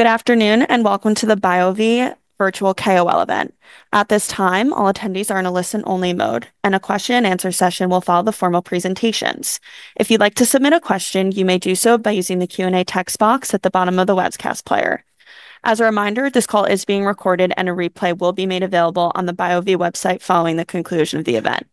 Good afternoon, and welcome to the BioVie virtual KOL event. At this time, all attendees are in a listen-only mode, and a question and answer session will follow the formal presentations. If you'd like to submit a question, you may do so by using the Q&A text box at the bottom of the webcast player. As a reminder, this call is being recorded, and a replay will be made available on the BioVie website following the conclusion of the event.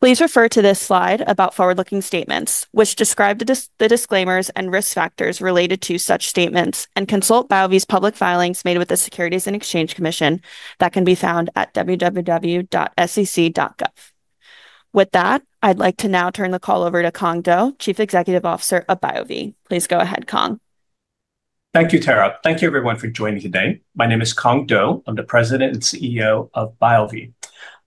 Please refer to this slide about forward-looking statements, which describe the disclaimers and risk factors related to such statements, and consult BioVie's public filings made with the Securities and Exchange Commission that can be found at www.sec.gov. I'd like to now turn the call over to Cuong Do, Chief Executive Officer of BioVie. Please go ahead, Cuong. Thank you, Tara. Thank you everyone for joining today. My name is Cuong Do. I'm the President and CEO of BioVie.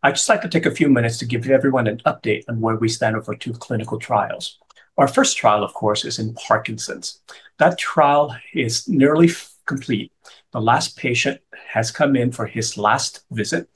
I'd just like to take a few minutes to give everyone an update on where we stand with our two clinical trials. Our first trial, of course, is in Parkinson's. That trial is nearly complete. The last patient has come in for his last visit.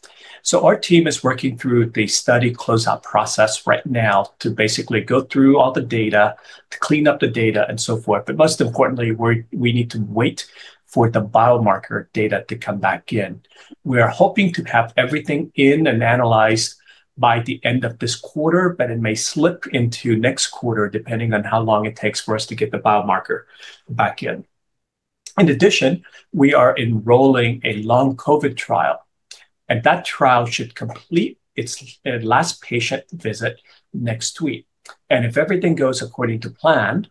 Our team is working through the study closeout process right now to basically go through all the data, to clean up the data, and so forth. Most importantly, we need to wait for the biomarker data to come back in. We are hoping to have everything in and analyzed by the end of this quarter, but it may slip into next quarter, depending on how long it takes for us to get the biomarker back in. In addition, we are enrolling a long COVID trial, and that trial should complete its last patient visit next week. If everything goes according to plan,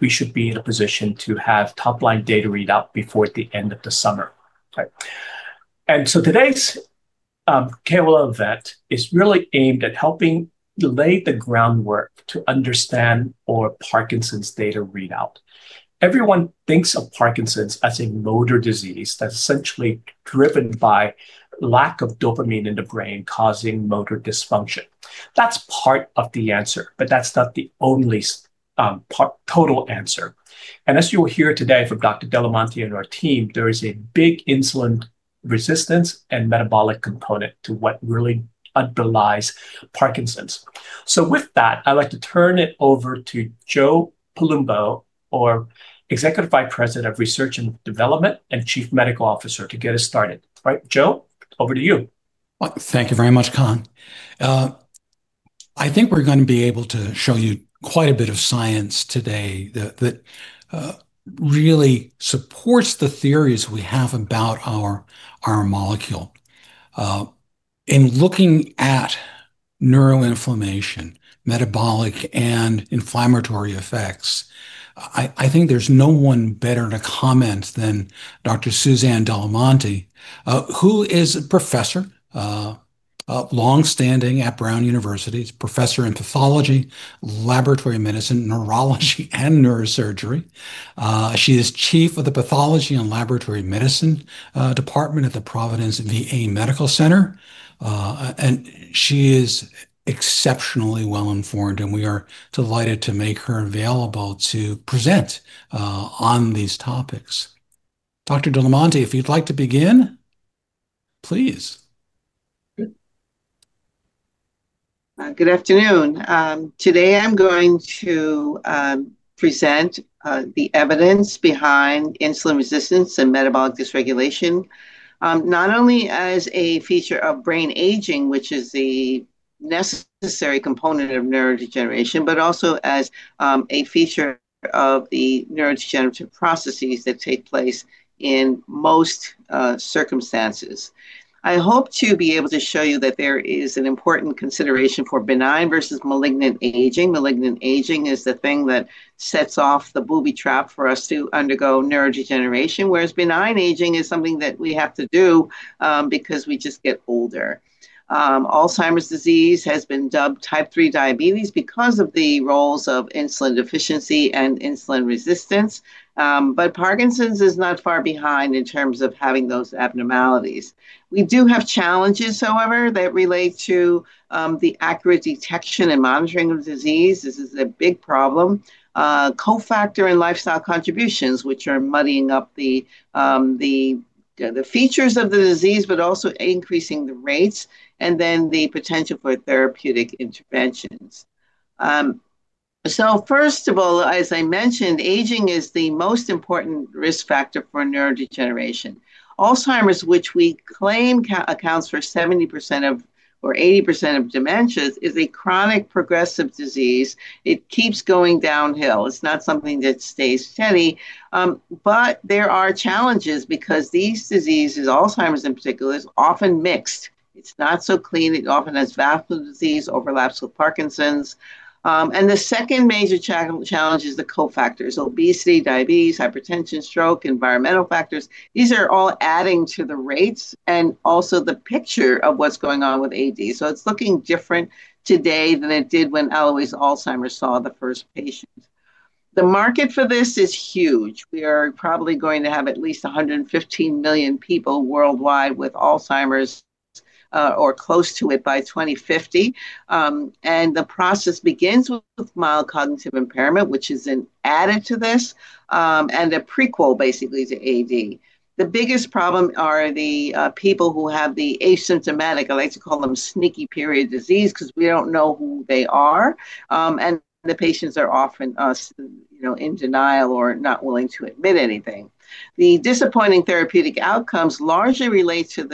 we should be in a position to have top-line data read out before the end of the summer. Right. Today's KOL event is really aimed at helping lay the groundwork to understand our Parkinson's data readout. Everyone thinks of Parkinson's as a motor disease that's essentially driven by lack of dopamine in the brain, causing motor dysfunction. That's part of the answer, but that's not the only part, total answer. As you will hear today from Dr. de la Monte and our team, there is a big insulin resistance and metabolic component to what really underlies Parkinson's. With that, I'd like to turn it over to Joe Palumbo, our Executive Vice President of Research and Development and Chief Medical Officer, to get us started. All right, Joe, over to you. Well, thank you very much, Cuong. I think we're going to be able to show you quite a bit of science today that really supports the theories we have about our molecule. In looking at neuroinflammation, metabolic, and inflammatory effects, I think there's no one better to comment than Dr. Suzanne de la Monte, who is a Professor, a long-standing at Brown University. She is Professor in Pathology, Laboratory Medicine, Neurology, and Neurosurgery. She is Chief of the Pathology and Laboratory Medicine department at the Providence VA Medical Center. She is exceptionally well-informed, and we are delighted to make her available to present on these topics. Dr. de la Monte, if you'd like to begin, please. Good afternoon. Today I'm going to present the evidence behind insulin resistance and metabolic dysregulation, not only as a feature of brain aging, which is the necessary component of neurodegeneration, but also as a feature of the neurodegenerative processes that take place in most circumstances. I hope to be able to show you that there is an important consideration for benign versus malignant aging. Malignant aging is the thing that sets off the booby trap for us to undergo neurodegeneration, whereas benign aging is something that we have to do because we just get older. Alzheimer's disease has been dubbed Type 3 Diabetes because of the roles of insulin deficiency and insulin resistance. Parkinson's is not far behind in terms of having those abnormalities. We do have challenges, however, that relate to the accurate detection and monitoring of disease. This is a big problem. Co-factor and lifestyle contributions, which are muddying up the features of the disease, but also increasing the rates, and then the potential for therapeutic interventions. First of all, as I mentioned, aging is the most important risk factor for neurodegeneration. Alzheimer's, which we claim accounts for 70% of, or 80% of dementias, is a chronic progressive disease. It keeps going downhill. It's not something that stays steady. There are challenges because these diseases, Alzheimer's in particular, is often mixed. It's not so clean. It often has vascular disease, overlaps with Parkinson's. The second major challenge is the co-factors: obesity, diabetes, hypertension, stroke, environmental factors. These are all adding to the rates and also the picture of what's going on with AD. It's looking different today than it did when Alois Alzheimer saw the first patient. The market for this is huge. We are probably going to have at least 115 million people worldwide with Alzheimer's, or close to it, by 2050. The process begins with mild cognitive impairment, which is an added to this, and a prequel, basically, to AD. The biggest problem are the people who have the asymptomatic, I like to call them sneaky period disease, 'cause we don't know who they are. The patients are often, you know, in denial or not willing to admit anything. The disappointing therapeutic outcomes largely relate to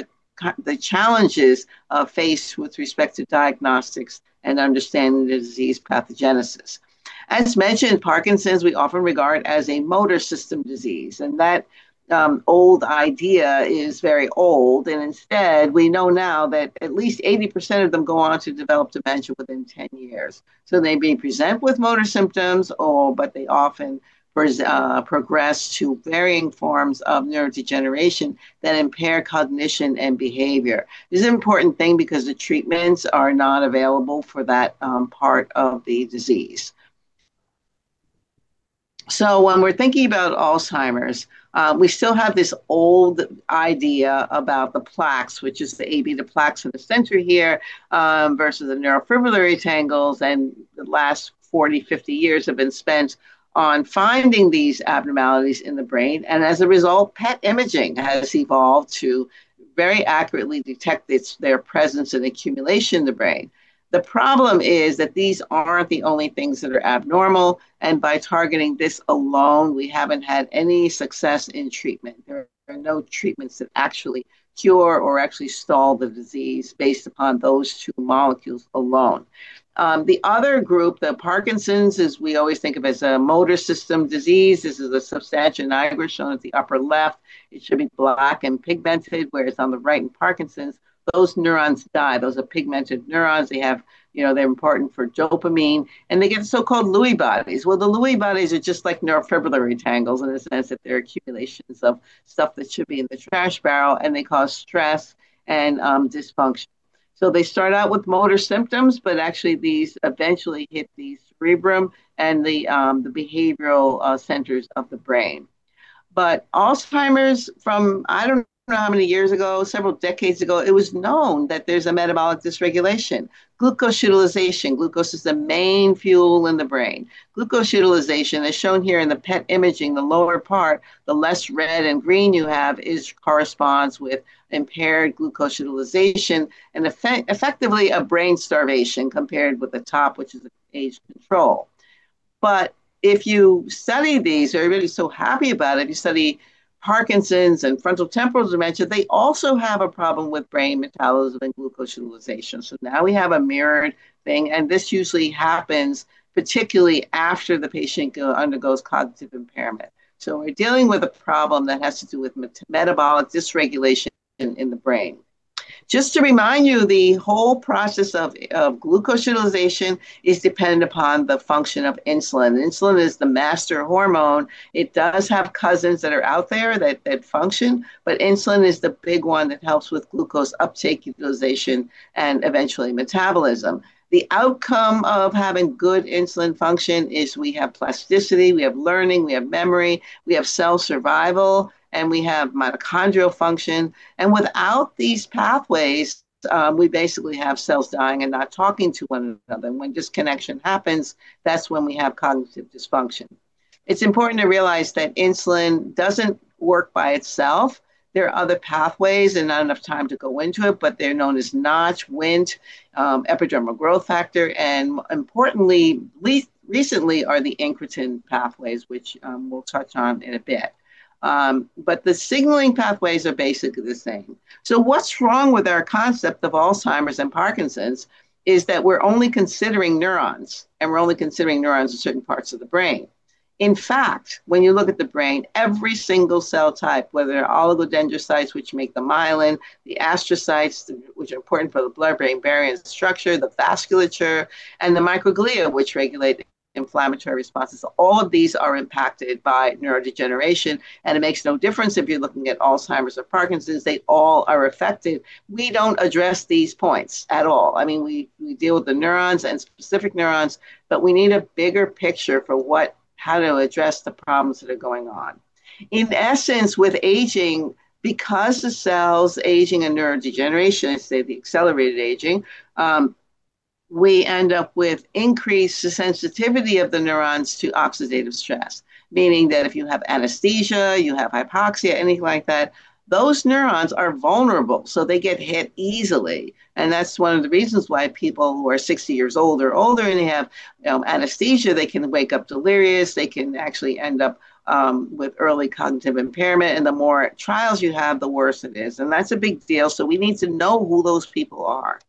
the challenges faced with respect to diagnostics and understanding the disease pathogenesis. As mentioned, Parkinson's we often regard as a motor system disease, and that old idea is very old. Instead, we know now that at least 80% of them go on to develop dementia within 10 years. They may present with motor symptoms or, but they often progress to varying forms of neurodegeneration that impair cognition and behavior. This is an important thing because the treatments are not available for that part of the disease. When we're thinking about Alzheimer's, we still have this old idea about the plaques, which is the AB, the plaques at the center here, versus the neurofibrillary tangles. The last 40, 50 years have been spent on finding these abnormalities in the brain, and as a result, PET imaging has evolved to very accurately detect its, their presence and accumulation in the brain. The problem is that these aren't the only things that are abnormal, and by targeting this alone, we haven't had any success in treatment. There are no treatments that actually cure or actually stall the disease based upon those two molecules alone. The other group, Parkinson's, is we always think of as a motor system disease. This is the substantia nigra shown at the upper left. It should be black and pigmented, whereas on the right in Parkinson's, those neurons die. Those are pigmented neurons. They have, you know, they're important for dopamine, and they get so-called Lewy bodies. Well, the Lewy bodies are just like neurofibrillary tangles in the sense that they're accumulations of stuff that should be in the trash barrel, and they cause stress and dysfunction. They start out with motor symptoms, but actually these eventually hit the cerebrum and the behavioral centers of the brain. Alzheimer's from, I don't know how many years ago, several decades ago, it was known that there's a metabolic dysregulation. Glucose utilization. Glucose is the main fuel in the brain. Glucose utilization, as shown here in the PET imaging, the lower part, the less red and green you have is corresponds with impaired glucose utilization and effectively a brain starvation compared with the top, which is age control. If you study these, everybody's so happy about it, if you study Parkinson's and frontotemporal dementia, they also have a problem with brain metabolism and glucose utilization. Now we have a mirrored thing, and this usually happens particularly after the patient undergoes cognitive impairment. We're dealing with a problem that has to do with metabolic dysregulation in the brain. Just to remind you, the whole process of glucose utilization is dependent upon the function of insulin. Insulin is the master hormone. It does have cousins that are out there that function, but insulin is the big one that helps with glucose uptake utilization and eventually metabolism. The outcome of having good insulin function is we have plasticity, we have learning, we have memory, we have cell survival, and we have mitochondrial function. Without these pathways, we basically have cells dying and not talking to one another. When disconnection happens, that's when we have cognitive dysfunction. It's important to realize that insulin doesn't work by itself. There are other pathways and not enough time to go into it, but they're known as Notch, Wnt, epidermal growth factor, and importantly, recently are the incretin pathways, which we'll touch on in a bit. The signaling pathways are basically the same. What's wrong with our concept of Alzheimer's and Parkinson's is that we're only considering neurons, and we're only considering neurons in certain parts of the brain. In fact, when you look at the brain, every single cell type, whether oligodendrocytes, which make the myelin, the astrocytes, which are important for the blood-brain barrier structure, the vasculature, and the microglia, which regulate inflammatory responses, all of these are impacted by neurodegeneration, and it makes no difference if you're looking at Alzheimer's or Parkinson's. They all are affected. We don't address these points at all. I mean, we deal with the neurons and specific neurons, we need a bigger picture for what, how to address the problems that are going on. In essence, with aging, because the cells aging and neurodegeneration, I say the accelerated aging, we end up with increased sensitivity of the neurons to oxidative stress, meaning that if you have anesthesia, you have hypoxia, anything like that, those neurons are vulnerable, they get hit easily. That's one of the reasons why people who are 60 years old or older and they have anesthesia, they can wake up delirious. They can actually end up with early cognitive impairment. The more trials you have, the worse it is, that's a big deal, we need to know who those people are.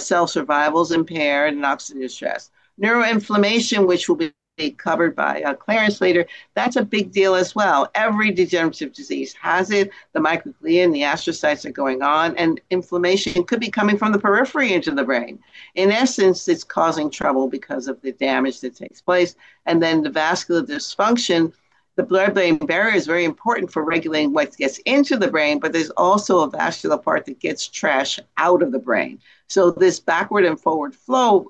Cell survival is impaired in oxidative stress. Neuroinflammation, which will be covered by Clarence later, that's a big deal as well. Every degenerative disease has it. The microglia and the astrocytes are going on, and inflammation could be coming from the periphery into the brain. In essence, it's causing trouble because of the damage that takes place. The vascular dysfunction. The blood-brain barrier is very important for regulating what gets into the brain, but there's also a vascular part that gets trash out of the brain. This backward and forward flow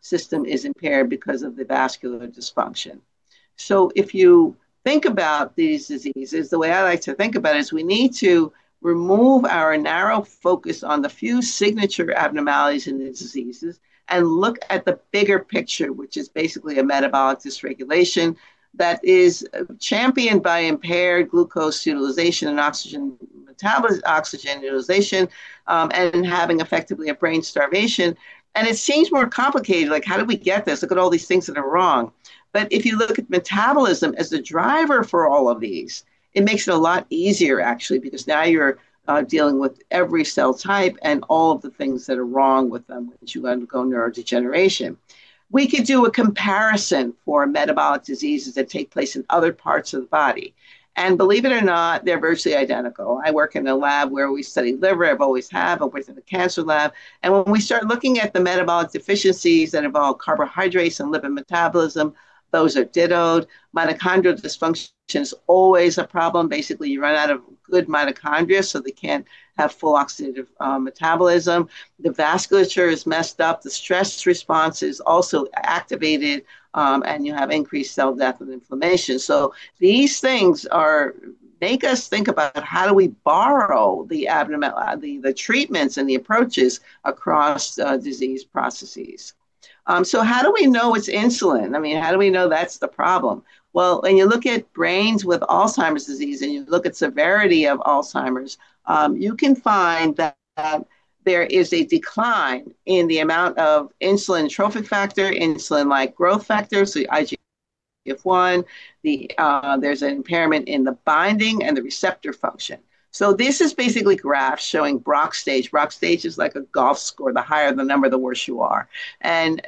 system is impaired because of the vascular dysfunction. If you think about these diseases, the way I like to think about it is we need to remove our narrow focus on the few signature abnormalities in these diseases, and look at the bigger picture, which is basically a metabolic dysregulation that is championed by impaired glucose utilization and oxygen utilization, and having effectively a brain starvation. It seems more complicated, like how did we get this? Look at all these things that are wrong. If you look at metabolism as the driver for all of these, it makes it a lot easier actually, because now you're dealing with every cell type and all of the things that are wrong with them as you undergo neurodegeneration. We could do a comparison for metabolic diseases that take place in other parts of the body, and believe it or not, they're virtually identical. I work in a lab where we study liver. I've always have. I worked in a cancer lab. When we start looking at the metabolic deficiencies that involve carbohydrates and lipid metabolism, those are dittoed. Mitochondrial dysfunction's always a problem. Basically, you run out of good mitochondria, so they can't have full oxidative metabolism. The vasculature is messed up. The stress response is also activated. You have increased cell death and inflammation. These things are make us think about how do we borrow the abnormal the treatments and the approaches across disease processes. How do we know it's insulin? I mean, how do we know that's the problem? Well, when you look at brains with Alzheimer's disease, and you look at severity of Alzheimer's, you can find that there is a decline in the amount of insulin trophic factor, insulin-like growth factor, so IGF-1. There's an impairment in the binding and the receptor function. This is basically graphs showing Braak stage. Braak stage is like a golf score. The higher the number, the worse you are.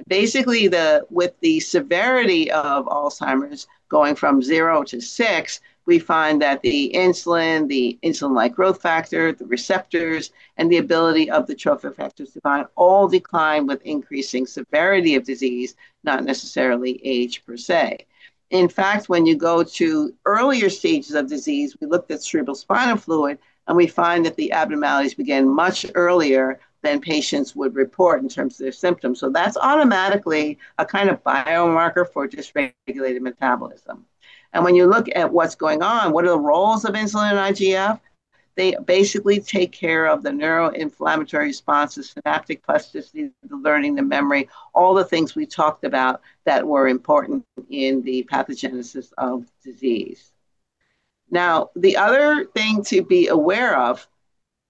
Basically, with the severity of Alzheimer's going from zero to six, we find that the insulin, the insulin-like growth factor, the receptors, and the ability of the trophic factors to bind all decline with increasing severity of disease, not necessarily age per se. In fact, when you go to earlier stages of disease, we looked at cerebrospinal fluid. We find that the abnormalities begin much earlier than patients would report in terms of their symptoms. That's automatically a kind of biomarker for dysregulated metabolism. When you look at what's going on, what are the roles of insulin and IGF, they basically take care of the neuroinflammatory responses, synaptic plasticity, the learning, the memory, all the things we talked about that were important in the pathogenesis of disease. The other thing to be aware of,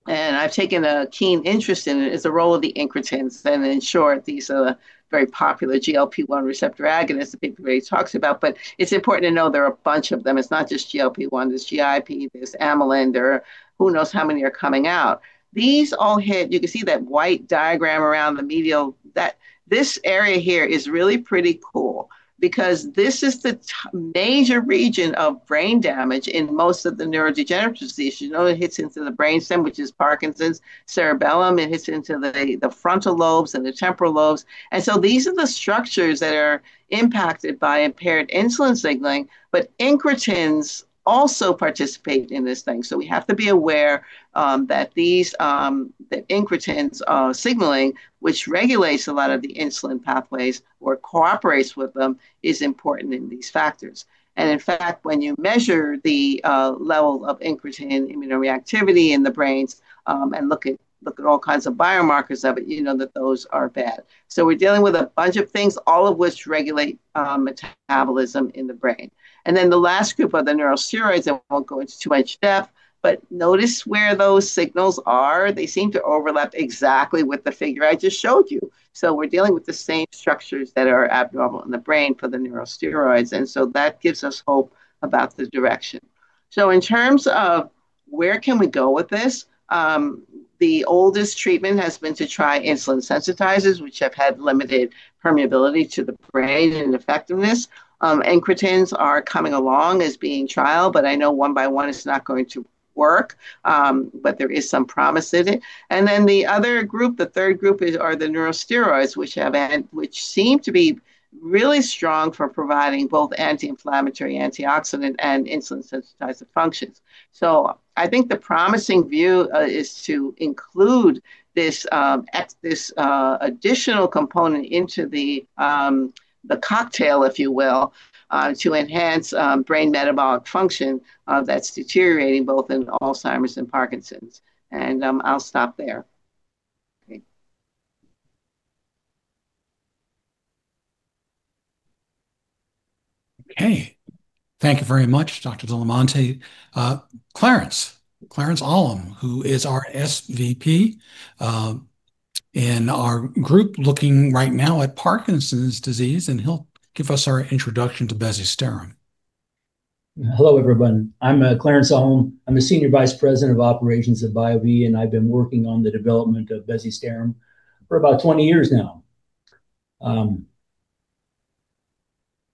and I've taken a keen interest in it, is the role of the incretins. In short, these are the very popular GLP-1 receptor agonists that everybody talks about. It's important to know there are a bunch of them. It's not just GLP-1. There's GIP, there's amylin, there are who knows how many are coming out. These all hit. You can see that white diagram around the medial. This area here is really pretty cool because this is the major region of brain damage in most of the neurodegenerative disease. You know, it hits into the brainstem, which is Parkinson's, cerebellum, it hits into the frontal lobes and the temporal lobes. These are the structures that are impacted by impaired insulin signaling. Incretins also participate in this thing. We have to be aware that these the incretins are signaling, which regulates a lot of the insulin pathways or cooperates with them, is important in these factors. In fact, when you measure the level of incretin immunoreactivity in the brains, and look at all kinds of biomarkers of it, you know that those are bad. We're dealing with a bunch of things, all of which regulate metabolism in the brain. The last group are the neurosteroids, and I won't go into too much depth, but notice where those signals are. They seem to overlap exactly with the figure I just showed you. We're dealing with the same structures that are abnormal in the brain for the neurosteroids. That gives us hope about the direction. In terms of where can we go with this, the oldest treatment has been to try insulin sensitizers, which have had limited permeability to the brain and effectiveness. Incretins are coming along as being trialed. I know one by one it's not going to work. There is some promise in it. The other group, the third group is, are the neurosteroids, which seem to be really strong for providing both anti-inflammatory, antioxidant, and insulin sensitizer functions. I think the promising view is to include this additional component into the cocktail, if you will, to enhance brain metabolic function that's deteriorating both in Alzheimer's and Parkinson's. I'll stop there. Okay. Okay. Thank you very much, Dr. de la Monte. Clarence Ahlem, who is our SVP in our group looking right now at Parkinson's disease, and he'll give us our introduction to bezisterim. Hello, everyone. I'm Clarence Ahlem. I'm the Senior Vice President of Operations at BioVie, I've been working on the development of bezisterim for about 20 years now.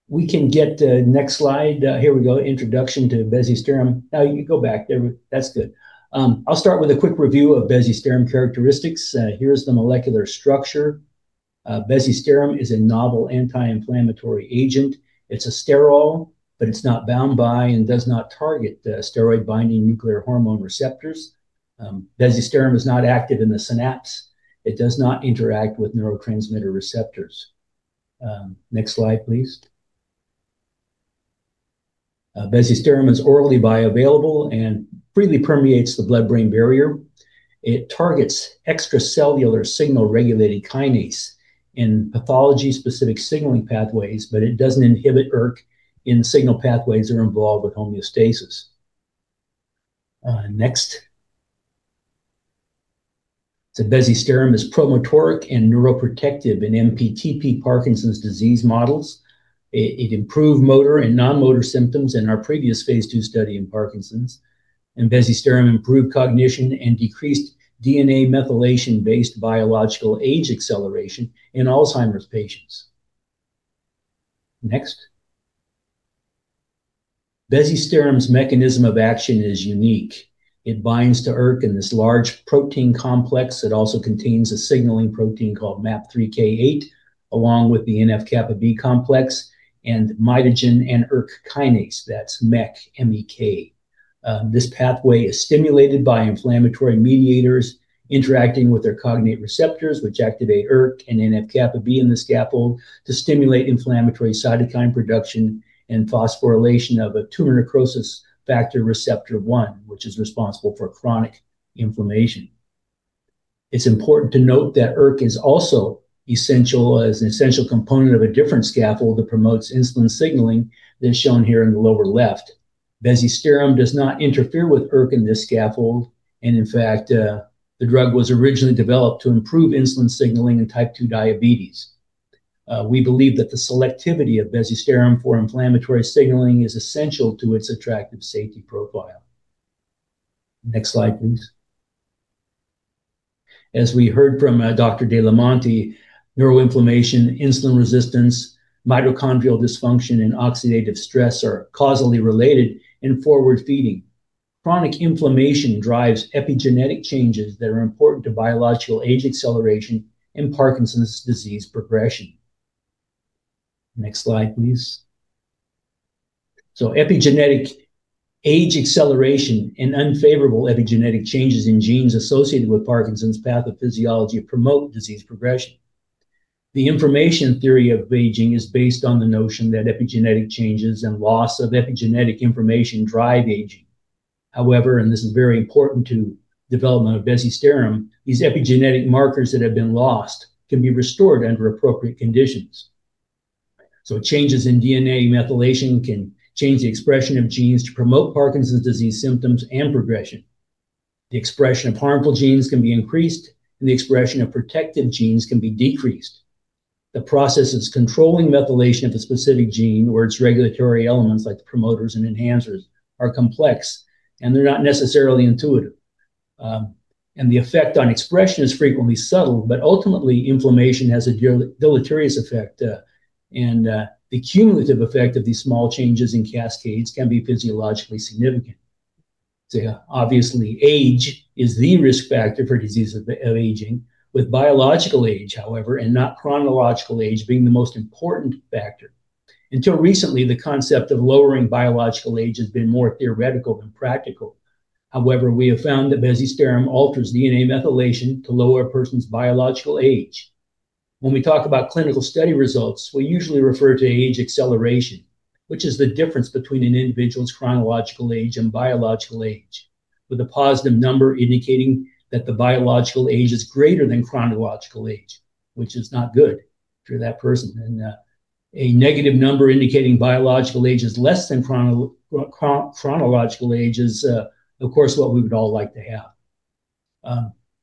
We can get the next slide. Here we go. Introduction to bezisterim. No, you can go back. That's good. I'll start with a quick review of bezisterim characteristics. Here's the molecular structure. Bezisterim is a novel anti-inflammatory agent. It's a sterol, it's not bound by and does not target the steroid-binding nuclear hormone receptors. Bezisterim is not active in the synapse. It does not interact with neurotransmitter receptors. Next slide, please. Bezisterim is orally bioavailable and freely permeates the blood-brain barrier. It targets extracellular signal-regulating kinase in pathology-specific signaling pathways, it doesn't inhibit ERK in signal pathways that are involved with homeostasis. Next. Bezisterim is promotoric and neuroprotective in MPTP Parkinson's disease models. It improved motor and non-motor symptoms in our previous phase II study in Parkinson's. Bezisterim improved cognition and decreased DNA methylation-based biological age acceleration in Alzheimer's patients. Next. Bezisterim's mechanism of action is unique. It binds to ERK in this large protein complex that also contains a signaling protein called MAP3K8, along with the NF-κB complex and mitogen and ERK kinase, that's MEK, M-E-K. This pathway is stimulated by inflammatory mediators interacting with their cognate receptors, which activate ERK and NF-κB in the scaffold to stimulate inflammatory cytokine production and phosphorylation of a tumor necrosis factor receptor one, which is responsible for chronic inflammation. It's important to note that ERK is also an essential component of a different scaffold that promotes insulin signaling than shown here in the lower left. bezisterim does not interfere with ERK in this scaffold, and in fact, the drug was originally developed to improve insulin signaling in Type 2 Diabetes. We believe that the selectivity of bezisterim for inflammatory signaling is essential to its attractive safety profile. Next slide, please. As we heard from Dr. de la Monte, neuroinflammation, insulin resistance, mitochondrial dysfunction, and oxidative stress are causally related in forward feeding. Chronic inflammation drives epigenetic changes that are important to biological age acceleration and Parkinson's disease progression. Next slide, please. Epigenetic age acceleration and unfavorable epigenetic changes in genes associated with Parkinson's pathophysiology promote disease progression. The information theory of aging is based on the notion that epigenetic changes and loss of epigenetic information drive aging. However, this is very important to development of bezisterim, these epigenetic markers that have been lost can be restored under appropriate conditions. Changes in DNA methylation can change the expression of genes to promote Parkinson's disease symptoms and progression. The expression of harmful genes can be increased, and the expression of protective genes can be decreased. The processes controlling methylation of a specific gene or its regulatory elements, like the promoters and enhancers, are complex, and they're not necessarily intuitive. The effect on expression is frequently subtle, but ultimately, inflammation has a deleterious effect, and the cumulative effect of these small changes in cascades can be physiologically significant. Obviously age is the risk factor for disease of aging with biological age, however, and not chronological age being the most important factor. Until recently, the concept of lowering biological age has been more theoretical than practical. We have found that bezisterim alters DNA methylation to lower a person's biological age. When we talk about clinical study results, we usually refer to age acceleration, which is the difference between an individual's chronological age and biological age, with a positive number indicating that the biological age is greater than chronological age, which is not good for that person. A negative number indicating biological age is less than chronological age is of course what we would all like to have.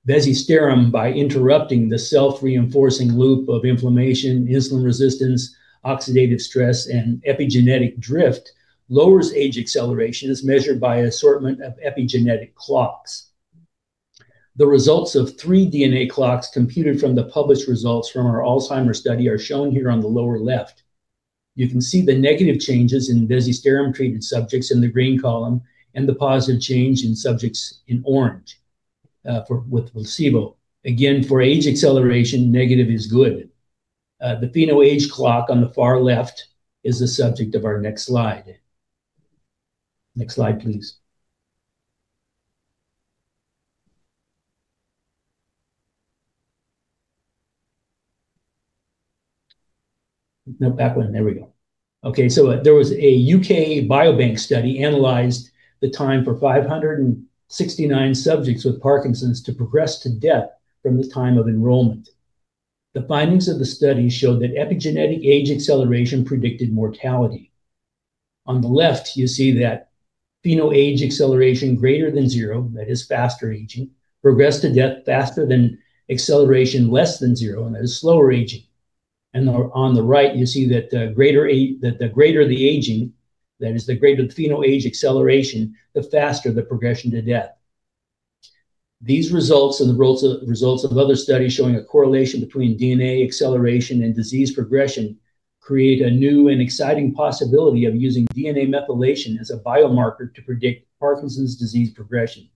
bezisterim, by interrupting the self-reinforcing loop of inflammation, insulin resistance, oxidative stress, and epigenetic drift, lowers age acceleration as measured by an assortment of epigenetic clocks. The results of three DNA clocks computed from the published results from our Alzheimer's are shown here on the lower left. You can see the negative changes in bezisterim-treated subjects in the green column and the positive change in subjects in orange, with the placebo. For age acceleration, negative is good. The PhenoAge clock on the far left is the subject of our next slide. Next slide, please. No, back one. There we go. There was a UK Biobank study analyzed the time for 569 subjects with Parkinson's to progress to death from the time of enrollment. The findings of the study showed that epigenetic age acceleration predicted mortality. On the left, you see that PhenoAge acceleration greater than zero, that is faster aging, progressed to death faster than acceleration less than zero, that is slower aging. On the right, you see that the greater the aging, that is the greater the PhenoAge acceleration, the faster the progression to death. These results and the results of other studies showing a correlation between DNA acceleration and disease progression create a new and exciting possibility of using DNA methylation as a biomarker to predict Parkinson's disease progression.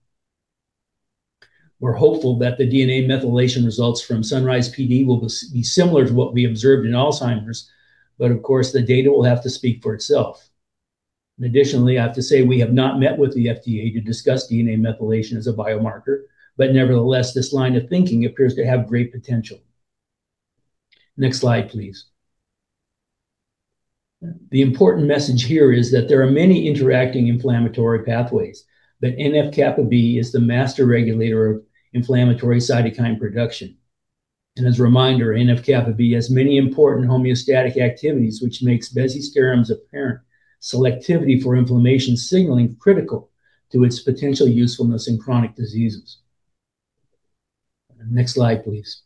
We're hopeful that the DNA methylation results from SUNRISE-PD will be similar to what we observed in Alzheimer's, of course, the data will have to speak for itself. Additionally, I have to say, we have not met with the FDA to discuss DNA methylation as a biomarker, nevertheless, this line of thinking appears to have great potential. Next slide please. The important message here is that there are many interacting inflammatory pathways, NF-κB is the master regulator of inflammatory cytokine production. As a reminder, NF-κB has many important homeostatic activities, which makes bezisterim's apparent selectivity for inflammation signaling critical to its potential usefulness in chronic diseases. Next slide please.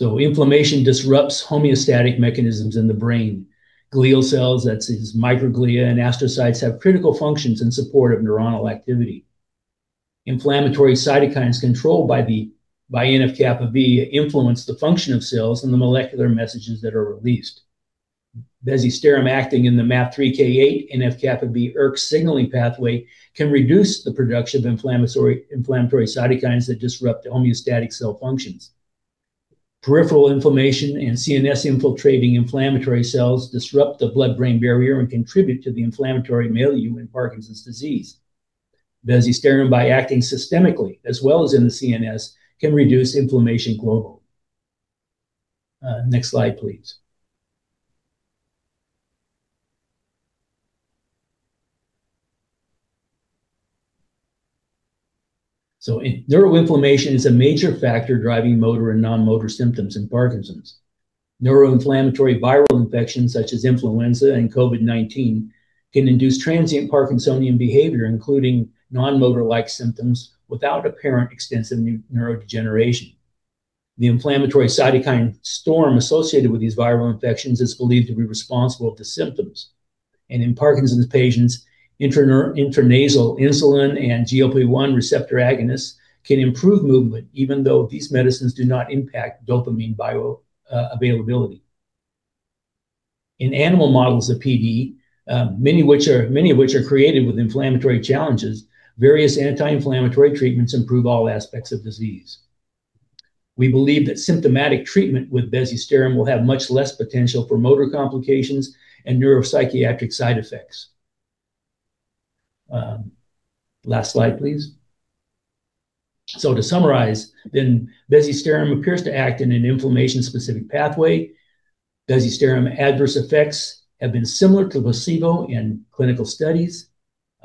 Inflammation disrupts homeostatic mechanisms in the brain. Glial cells, that's these microglia and astrocytes, have critical functions in support of neuronal activity. Inflammatory cytokines controlled by NF-κB influence the function of cells and the molecular messages that are released. bezisterim acting in the MAP3K8/NF-κB/ERK signaling pathway can reduce the production of inflammatory cytokines that disrupt homeostatic cell functions. Peripheral inflammation and CNS-infiltrating inflammatory cells disrupt the blood-brain barrier and contribute to the inflammatory milieu in Parkinson's disease. bezisterim, by acting systemically as well as in the CNS, can reduce inflammation globally. Next slide please. Neuroinflammation is a major factor driving motor and non-motor symptoms in Parkinson's. Neuroinflammatory viral infections such as influenza and COVID-19 can induce transient Parkinsonian behavior, including non-motor-like symptoms without apparent extensive neurodegeneration. The inflammatory cytokine storm associated with these viral infections is believed to be responsible to symptoms. In Parkinson's patients, intranasal insulin and GLP-1 receptor agonists can improve movement even though these medicines do not impact dopamine bio availability. In animal models of PD, many of which are created with inflammatory challenges, various anti-inflammatory treatments improve all aspects of disease. We believe that symptomatic treatment with bezisterim will have much less potential for motor complications and neuropsychiatric side effects. Last slide please. To summarize then, bezisterim appears to act in an inflammation-specific pathway. Bezisterim adverse effects have been similar to placebo in clinical studies.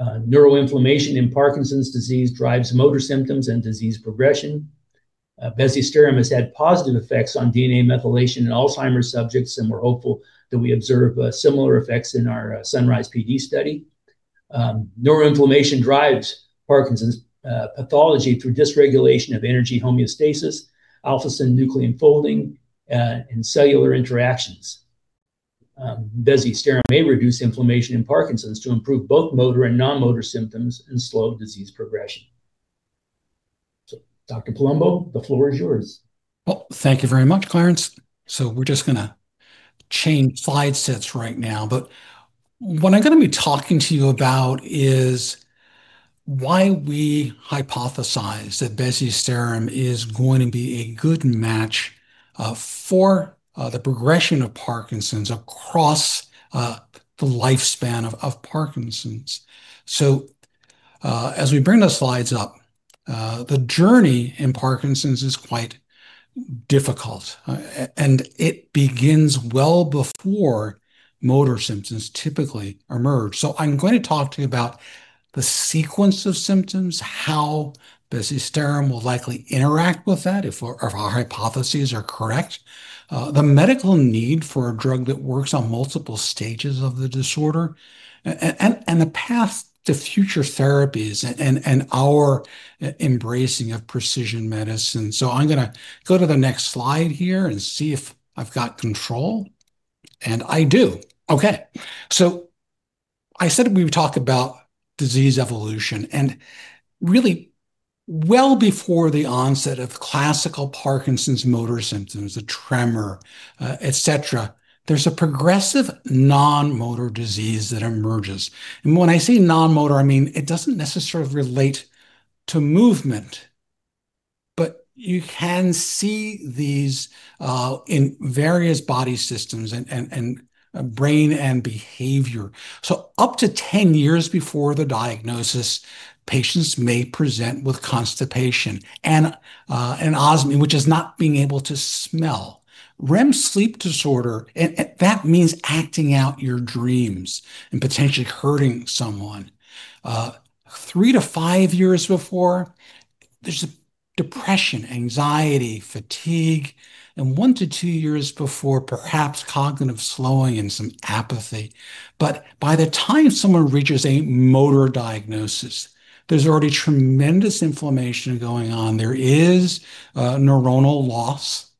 Neuroinflammation in Parkinson's disease drives motor symptoms and disease progression. Bezisterim has had positive effects on DNA methylation in Alzheimer's subjects, and we're hopeful that we observe similar effects in our SUNRISE-PD study. Neuroinflammation drives Parkinson's pathology through dysregulation of energy homeostasis, alpha-synuclein folding, and cellular interactions. Bezisterim may reduce inflammation in Parkinson's to improve both motor and non-motor symptoms and slow disease progression. Dr. Palumbo, the floor is yours. Well, thank you very much, Clarence. We're just gonna change slide sets right now, but what I'm gonna be talking to you about is why we hypothesize that bezisterim is going to be a good match for the progression of Parkinson's across the lifespan of Parkinson's. As we bring the slides up, the journey in Parkinson's is quite difficult and it begins well before motor symptoms typically emerge. I'm going to talk to you about the sequence of symptoms, how bezisterim will likely interact with that if our hypotheses are correct, the medical need for a drug that works on multiple stages of the disorder and the path to future therapies and our embracing of precision medicine. I'm going to go to the next slide here and see if I have control, and I do. Okay. I said we would talk about disease evolution and really well before the onset of classical Parkinson's motor symptoms, the tremor, et cetera, there is a progressive non-motor disease that emerges. When I say non-motor, I mean it doesn't necessarily relate to movement, but you can see these in various body systems and brain and behavior. Up to 10 years before the diagnosis, patients may present with constipation and anosmia, which is not being able to smell. REM sleep disorder, and that means acting out your dreams and potentially hurting someone. three to five years before, there is depression, anxiety, fatigue. one to two years before, perhaps cognitive slowing and some apathy. By the time someone reaches a motor diagnosis, there's already tremendous inflammation going on. There is neuronal loss,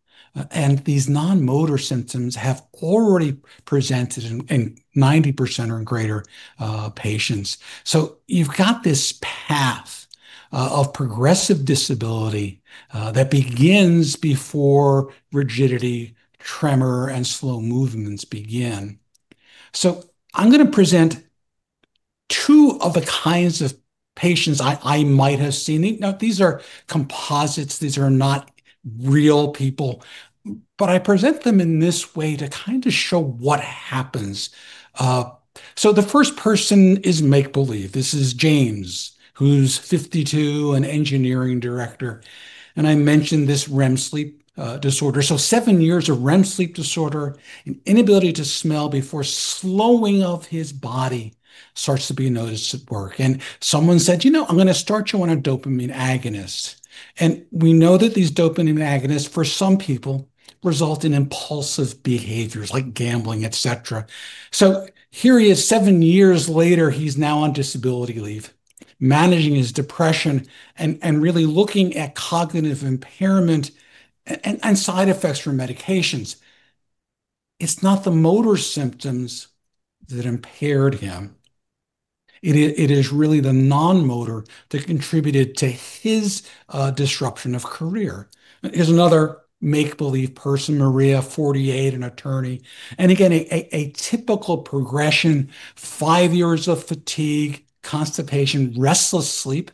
and these non-motor symptoms have already presented in 90% or greater patients. You've got this path of progressive disability that begins before rigidity, tremor, and slow movements begin. I'm gonna present two of the kinds of patients I might have seen. Now, these are composites. These are not real people. I present them in this way to kind of show what happens. The first person is make-believe. This is James, who's 52, an engineering director. I mentioned this REM sleep disorder. Seven years of REM sleep disorder and inability to smell before slowing of his body starts to be noticed at work. Someone said, "You know, I'm gonna start you on a dopamine agonist." We know that these dopamine agonists, for some people, result in impulsive behaviors like gambling, et cetera. Here he is seven years later, he's now on disability leave, managing his depression and really looking at cognitive impairment and side effects from medications. It's not the motor symptoms that impaired him. It is really the non-motor that contributed to his disruption of career. Here's another make-believe person, Maria, 48, an attorney. Again, a typical progression. five years of fatigue, constipation, restless sleep.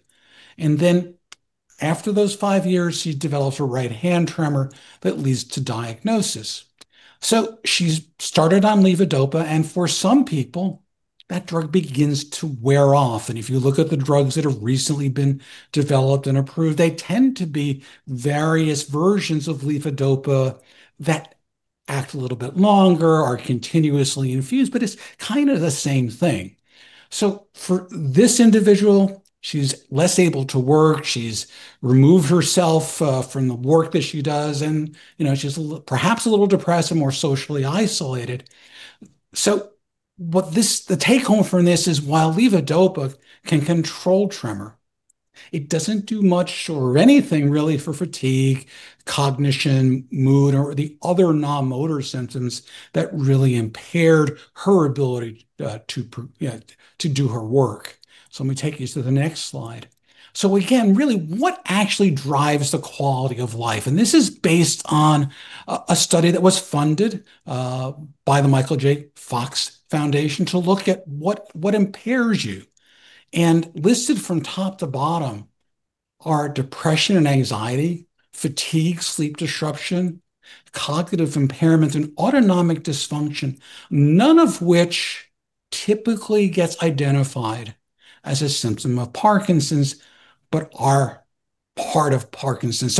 After those five years, she develops a right hand tremor that leads to diagnosis. She's started on levodopa, and for some people, that drug begins to wear off. If you look at the drugs that have recently been developed and approved, they tend to be various versions of levodopa that act a little bit longer, are continuously infused, but it's kind of the same thing. For this individual, she's less able to work. She's removed herself from the work that she does, and, you know, she's perhaps a little depressed and more socially isolated. What this the take home from this is while levodopa can control tremor, it doesn't do much or anything really for fatigue, cognition, mood, or the other non-motor symptoms that really impaired her ability to do her work. Let me take you to the next slide. Again, really, what actually drives the quality of life? This is based on a study that was funded by the Michael J. Fox Foundation to look at what impairs you. Listed from top to bottom are depression and anxiety, fatigue, sleep disruption, cognitive impairment, and autonomic dysfunction, none of which typically gets identified as a symptom of Parkinson's, but are part of Parkinson's.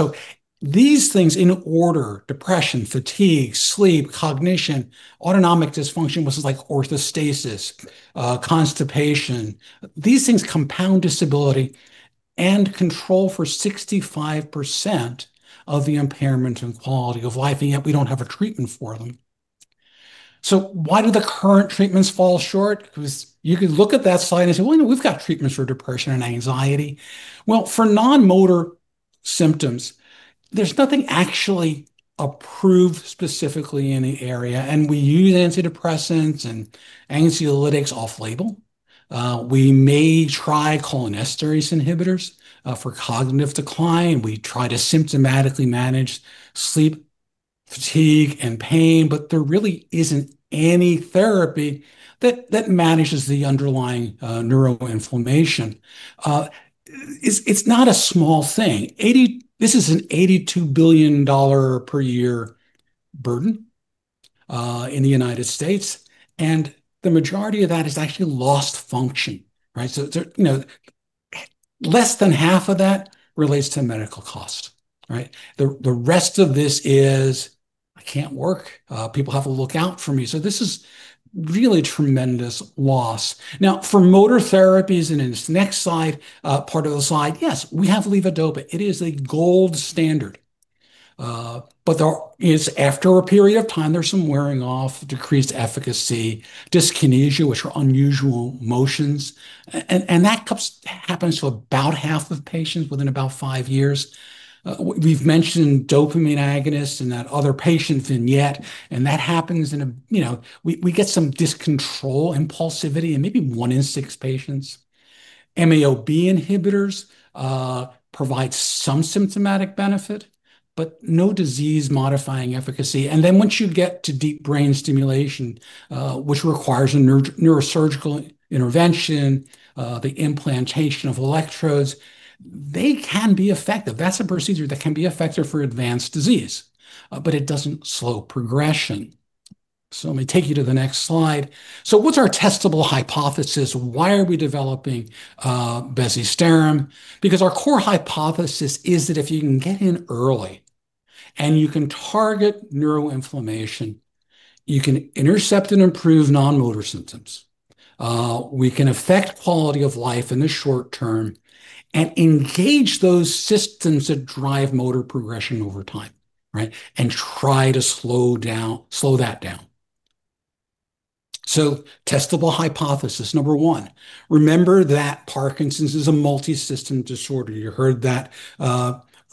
These things in order, depression, fatigue, sleep, cognition, autonomic dysfunction, which is like orthostasis, constipation, these things compound disability and control for 65% of the impairment in quality of life, and yet we don't have a treatment for them. Why do the current treatments fall short? You can look at that slide and say, "Well, you know, we've got treatments for depression and anxiety." Well, for non-motor symptoms, there's nothing actually approved specifically in the area, and we use antidepressants and anxiolytics off-label. We may try cholinesterase inhibitors for cognitive decline. We try to symptomatically manage sleep fatigue and pain, there really isn't any therapy that manages the underlying neuroinflammation. It's not a small thing. This is an $82 billion per year burden in the United States, the majority of that is actually lost function, right? You know, less than half of that relates to medical cost, right? The rest of this is, "I can't work." People have to look out for me. This is really tremendous loss. For motor therapies and in this next slide, part of the slide, yes, we have levodopa. It is a gold standard. There is, after a period of time, there's some wearing off, decreased efficacy, dyskinesia, which are unusual motions. And that happens to about half of patients within about five years. We've mentioned dopamine agonists in that other patient vignette, that happens in a, you know, we get some dyscontrol impulsivity in maybe one in six patients. MAO-B inhibitors provide some symptomatic benefit, but no disease-modifying efficacy. Then once you get to deep brain stimulation, which requires a neurosurgical intervention, the implantation of electrodes, they can be effective. That's a procedure that can be effective for advanced disease, but it doesn't slow progression. Let me take you to the next slide. What's our testable hypothesis? Why are we developing bezisterim? Our core hypothesis is that if you can get in early, and you can target neuroinflammation, you can intercept and improve non-motor symptoms. We can affect quality of life in the short term and engage those systems that drive motor progression over time, right? Try to slow down, slow that down. Testable hypothesis number one, remember that Parkinson's is a multi-system disorder. You heard that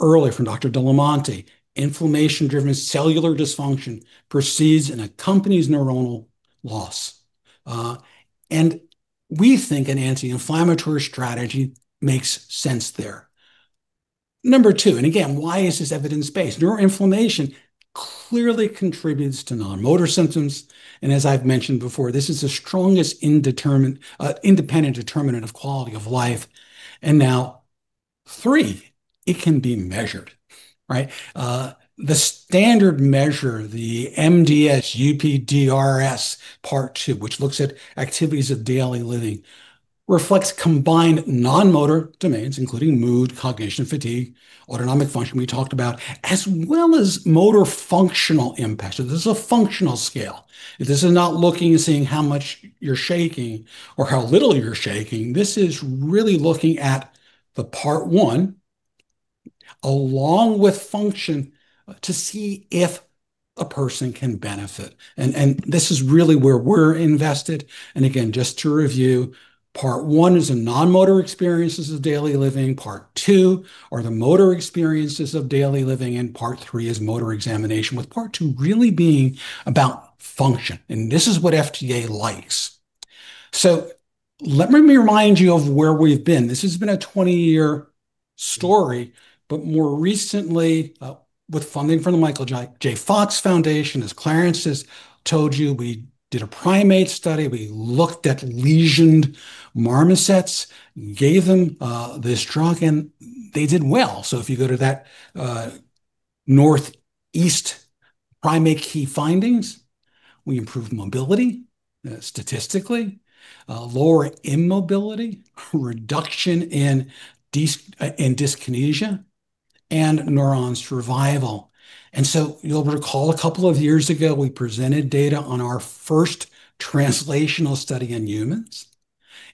earlier from Dr. de la Monte. Inflammation-driven cellular dysfunction precedes and accompanies neuronal loss. We think an anti-inflammatory strategy makes sense there. Number two, again, why is this evidence-based? Neuroinflammation clearly contributes to non-motor symptoms. As I've mentioned before, this is the strongest independent determinant of quality of life. Now, three, it can be measured, right? The standard measure, the MDS-UPDRS Part II, which looks at activities of daily living, reflects combined non-motor domains, including mood, cognition, fatigue, autonomic function we talked about, as well as motor functional impact. This is a functional scale. This is not looking, seeing how much you're shaking or how little you're shaking. This is really looking at the Part I along with function to see if a person can benefit. This is really where we're invested. Again, just to review, Part I is a non-motor experiences of daily living, Part II are the motor experiences of daily living, and Part III is motor examination, with Part II really being about function. This is what FDA likes. Let me remind you of where we've been. This has been a 20-year story, but more recently, with funding from the Michael J. Fox Foundation. As Clarence has told you, we did a primate study. We looked at lesioned marmosets, gave them this drug, and they did well. If you go to that northeast primate key findings, we improved mobility, statistically, lower immobility, reduction in dyskinesia, and neurons survival. You'll recall a couple of years ago, we presented data on our first translational study in humans,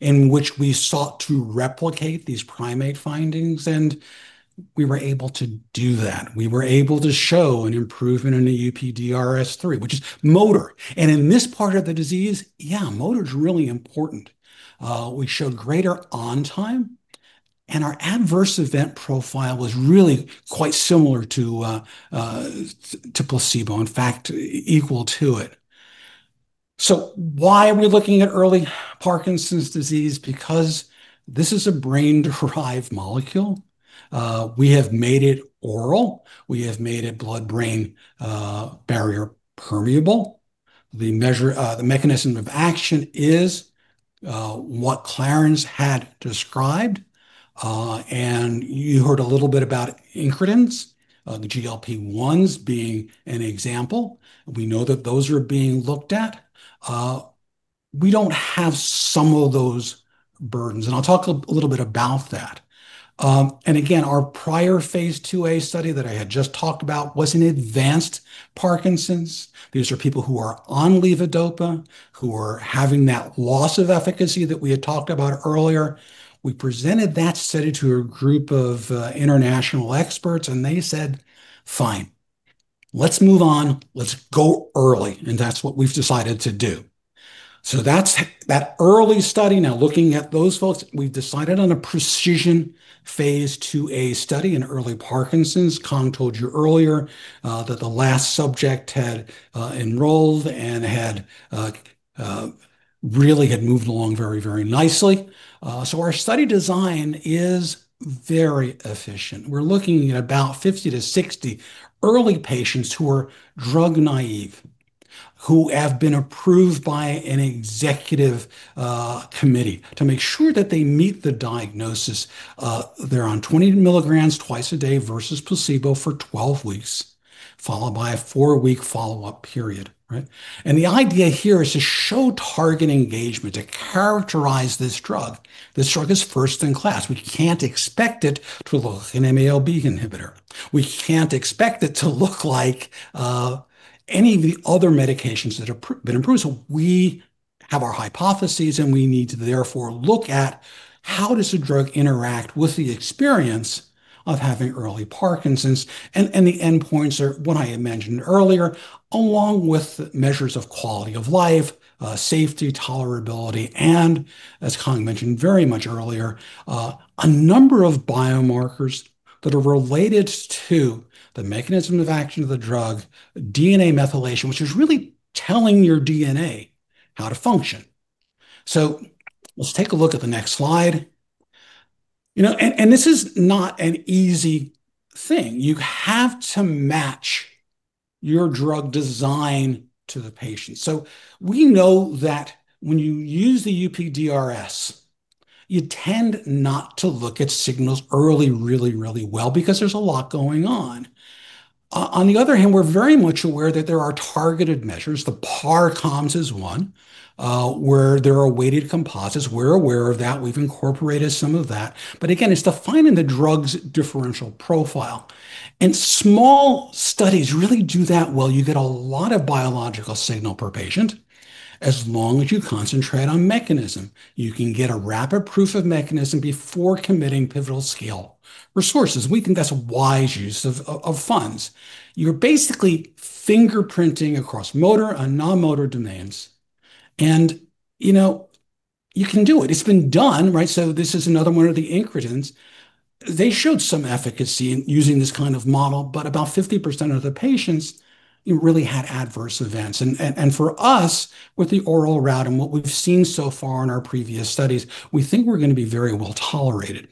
in which we sought to replicate these primate findings, and we were able to do that. We were able to show an improvement in the UPDRS III, which is motor. In this part of the disease, yeah, motor is really important. We showed greater on time, and our adverse event profile was really quite similar to placebo, in fact, equal to it. Why are we looking at early Parkinson's disease? Because this is a brain-derived molecule. We have made it oral. We have made it blood-brain barrier permeable. The mechanism of action is what Clarence had described. You heard a little bit about incretins, the GLP-1s being an example. We know that those are being looked at. We don't have some of those burdens, and I'll talk a little bit about that. Again, our prior phase II-A study that I had just talked about was in advanced Parkinson's. These are people who are on levodopa, who are having that loss of efficacy that we had talked about earlier. We presented that study to a group of international experts. They said, "Fine." Let's move on. Let's go early. That's what we've decided to do. That's that early study. Now, looking at those folks, we've decided on a precision phase II-A study in early Parkinson's. Cuong told you earlier that the last subject had enrolled and had really moved along very, very nicely. Our study design is very efficient. We're looking at about 50 to 60 early patients who are drug naive, who have been approved by an executive committee to make sure that they meet the diagnosis. They're on 20 milligrams twice a day versus placebo for 12 weeks, followed by a four-week follow-up period. The idea here is to show target engagement, to characterize this drug. This drug is first in class. We can't expect it to look an MAO-B inhibitor. We can't expect it to look like any of the other medications that have been approved. We have our hypotheses, and we need to therefore look at how does a drug interact with the experience of having early Parkinson's. The endpoints are what I had mentioned earlier, along with measures of quality of life, safety, tolerability, and as Cuong mentioned very much earlier, a number of biomarkers that are related to the mechanism of action of the drug, DNA methylation, which is really telling your DNA how to function. Let's take a look at the next slide. You know, this is not an easy thing. You have to match your drug design to the patient. We know that when you use the UPDRS, you tend not to look at signals early really well because there's a lot going on. On the other hand, we're very much aware that there are targeted measures. The PARCOMS is one, where there are weighted composites. We're aware of that. We've incorporated some of that. Again, it's defining the drug's differential profile. Small studies really do that well. You get a lot of biological signal per patient as long as you concentrate on mechanism. You can get a rapid proof of mechanism before committing pivotal scale resources. We think that's a wise use of funds. You're basically fingerprinting across motor and non-motor domains. You know, you can do it. It's been done, right? This is another one of the incretins. They showed some efficacy in using this kind of model, but about 50% of the patients really had adverse events. For us, with the oral route and what we've seen so far in our previous studies, we think we're gonna be very well-tolerated.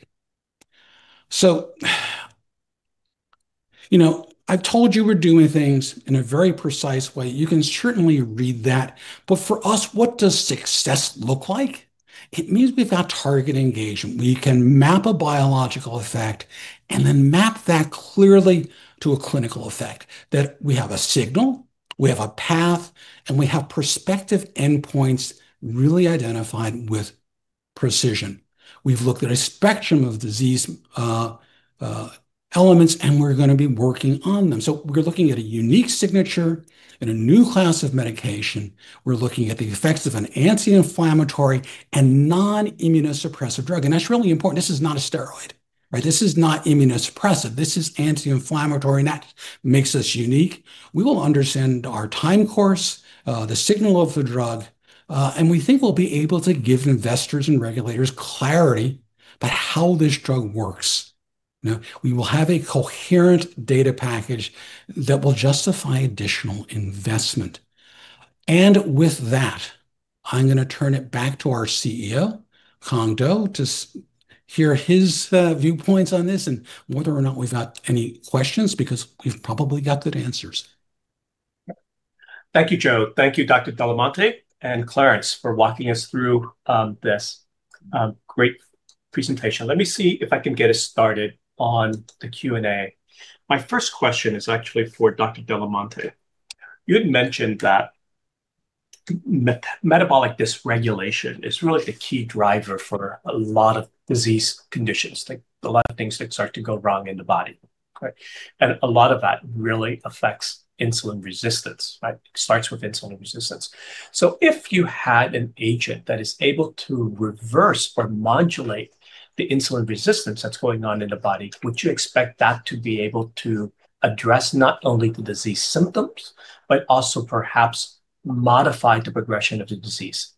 You know, I've told you we're doing things in a very precise way. You can certainly read that. For us, what does success look like? It means we've got target engagement, we can map a biological effect, and then map that clearly to a clinical effect. That we have a signal, we have a path, and we have prospective endpoints really identified with precision. We've looked at a spectrum of disease elements, and we're gonna be working on them. We're looking at a unique signature and a new class of medication. We're looking at the effects of an anti-inflammatory and non-immunosuppressive drug, and that's really important. This is not a steroid, right? This is not immunosuppressive. This is anti-inflammatory, and that makes us unique. We will understand our time course, the signal of the drug, and we think we'll be able to give investors and regulators clarity about how this drug works. Now, we will have a coherent data package that will justify additional investment. With that, I'm gonna turn it back to our CEO, Cuong Do, to hear his viewpoints on this and whether or not we've got any questions, because we've probably got good answers. Thank you, Joe. Thank you, Dr. de la Monte, and Clarence for walking us through this great presentation. Let me see if I can get us started on the Q&A. My first question is actually for Dr. de la Monte. You had mentioned that metabolic dysregulation is really the key driver for a lot of disease conditions, like a lot of things that start to go wrong in the body, right? A lot of that really affects insulin resistance, right? It starts with insulin resistance. If you had an agent that is able to reverse or modulate the insulin resistance that's going on in the body, would you expect that to be able to address not only the disease symptoms, but also perhaps modify the progression of the disease?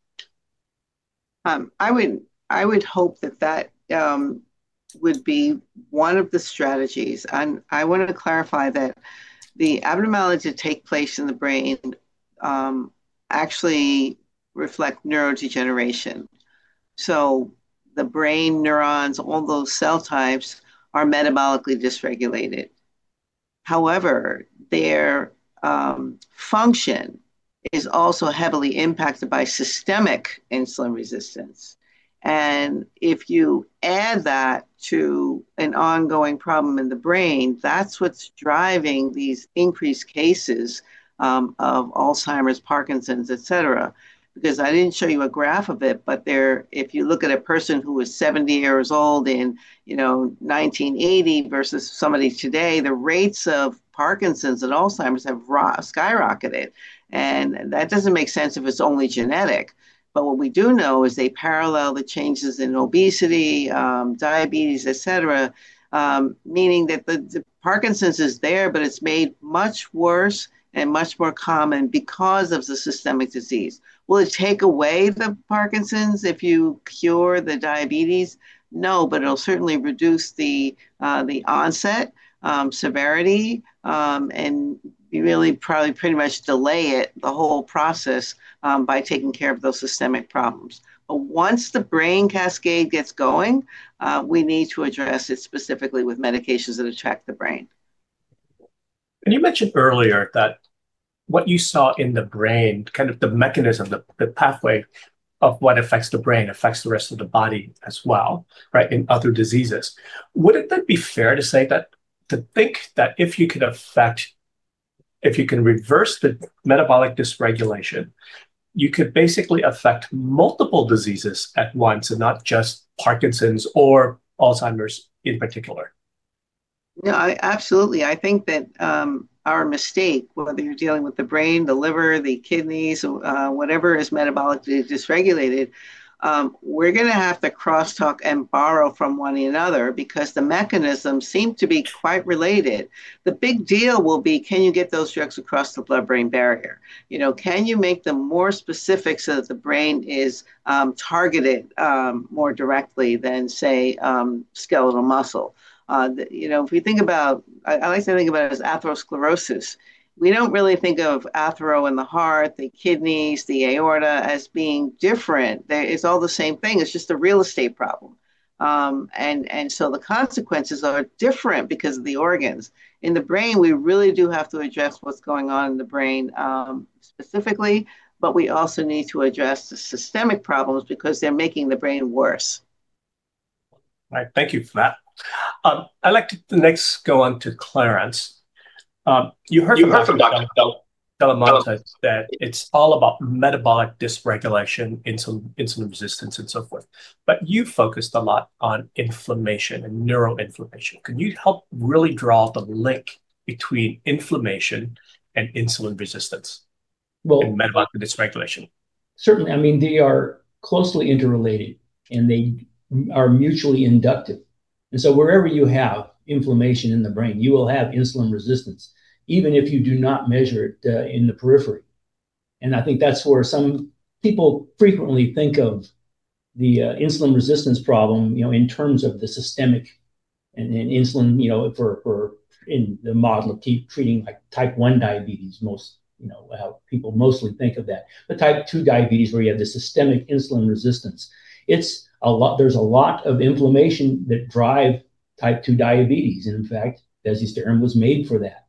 I would hope that that would be one of the strategies. I wanted to clarify that the abnormalities that take place in the brain actually reflect neurodegeneration. The brain neurons, all those cell types, are metabolically dysregulated. However, their function is also heavily impacted by systemic insulin resistance. If you add that to an ongoing problem in the brain, that's what's driving these increased cases of Alzheimer's, Parkinson's, et cetera. I didn't show you a graph of it, but if you look at a person who was 70 years old in, you know, 1980 versus somebody today, the rates of Parkinson's and Alzheimer's have skyrocketed. That doesn't make sense if it's only genetic. What we do know is they parallel the changes in obesity, diabetes, et cetera, meaning that the Parkinson's is there, but it's made much worse and much more common because of the systemic disease. Will it take away the Parkinson's if you cure the diabetes? No, it'll certainly reduce the onset, severity, and really probably pretty much delay it, the whole process, by taking care of those systemic problems. Once the brain cascade gets going, we need to address it specifically with medications that affect the brain. You mentioned earlier that what you saw in the brain, kind of the mechanism, the pathway of what affects the brain affects the rest of the body as well, right, in other diseases? Wouldn't it be fair to say that to think that if you can reverse the metabolic dysregulation, you could basically affect multiple diseases at once, and not just Parkinson's or Alzheimer's in particular? No, I Absolutely. I think that our mistake, whether you're dealing with the brain, the liver, the kidneys, or whatever is metabolically dysregulated, we're gonna have to crosstalk and borrow from one another because the mechanisms seem to be quite related. The big deal will be, can you get those drugs across the blood-brain barrier? You know, can you make them more specific so that the brain is targeted more directly than, say, skeletal muscle? You know, if we think about I always like to think about it as atherosclerosis. We don't really think of athero in the heart, the kidneys, the aorta as being different. It's all the same thing. It's just a real estate problem. The consequences are different because of the organs. In the brain, we really do have to address what's going on in the brain, specifically, but we also need to address the systemic problems because they're making the brain worse. Right. Thank you for that. I'd like to next go on to Clarence. You heard from Dr. de la Monte that it's all about metabolic dysregulation, insulin resistance, and so forth. You focused a lot on inflammation and neuroinflammation. Can you help really draw the link between inflammation and insulin resistance? Well- metabolic dysregulation? Certainly. I mean, they are closely interrelated, and they are mutually inductive. Wherever you have inflammation in the brain, you will have insulin resistance, even if you do not measure it in the periphery. I think that's where some people frequently think of the insulin resistance problem, you know, in terms of the systemic and insulin, you know, for in the model of treating like Type 1 Diabetes most, you know, how people mostly think of that. Type 2 Diabetes, where you have the systemic insulin resistance, there's a lot of inflammation that drive Type 2 Diabetes, and in fact, bezisterim was made for that.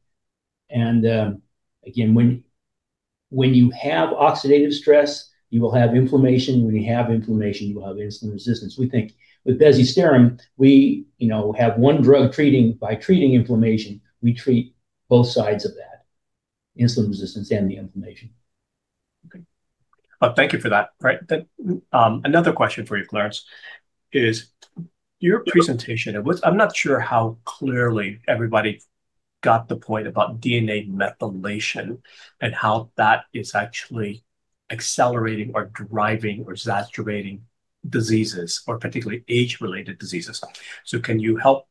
Again, when you have oxidative stress, you will have inflammation. When you have inflammation, you will have insulin resistance. We think with bezisterim, we, you know, have one drug treating. By treating inflammation, we treat both sides of that, insulin resistance and the inflammation. Thank you for that. Another question for you, Clarence, is your presentation, it was I'm not sure how clearly everybody got the point about DNA methylation and how that is actually accelerating or driving or exacerbating diseases or particularly age-related diseases. Can you help.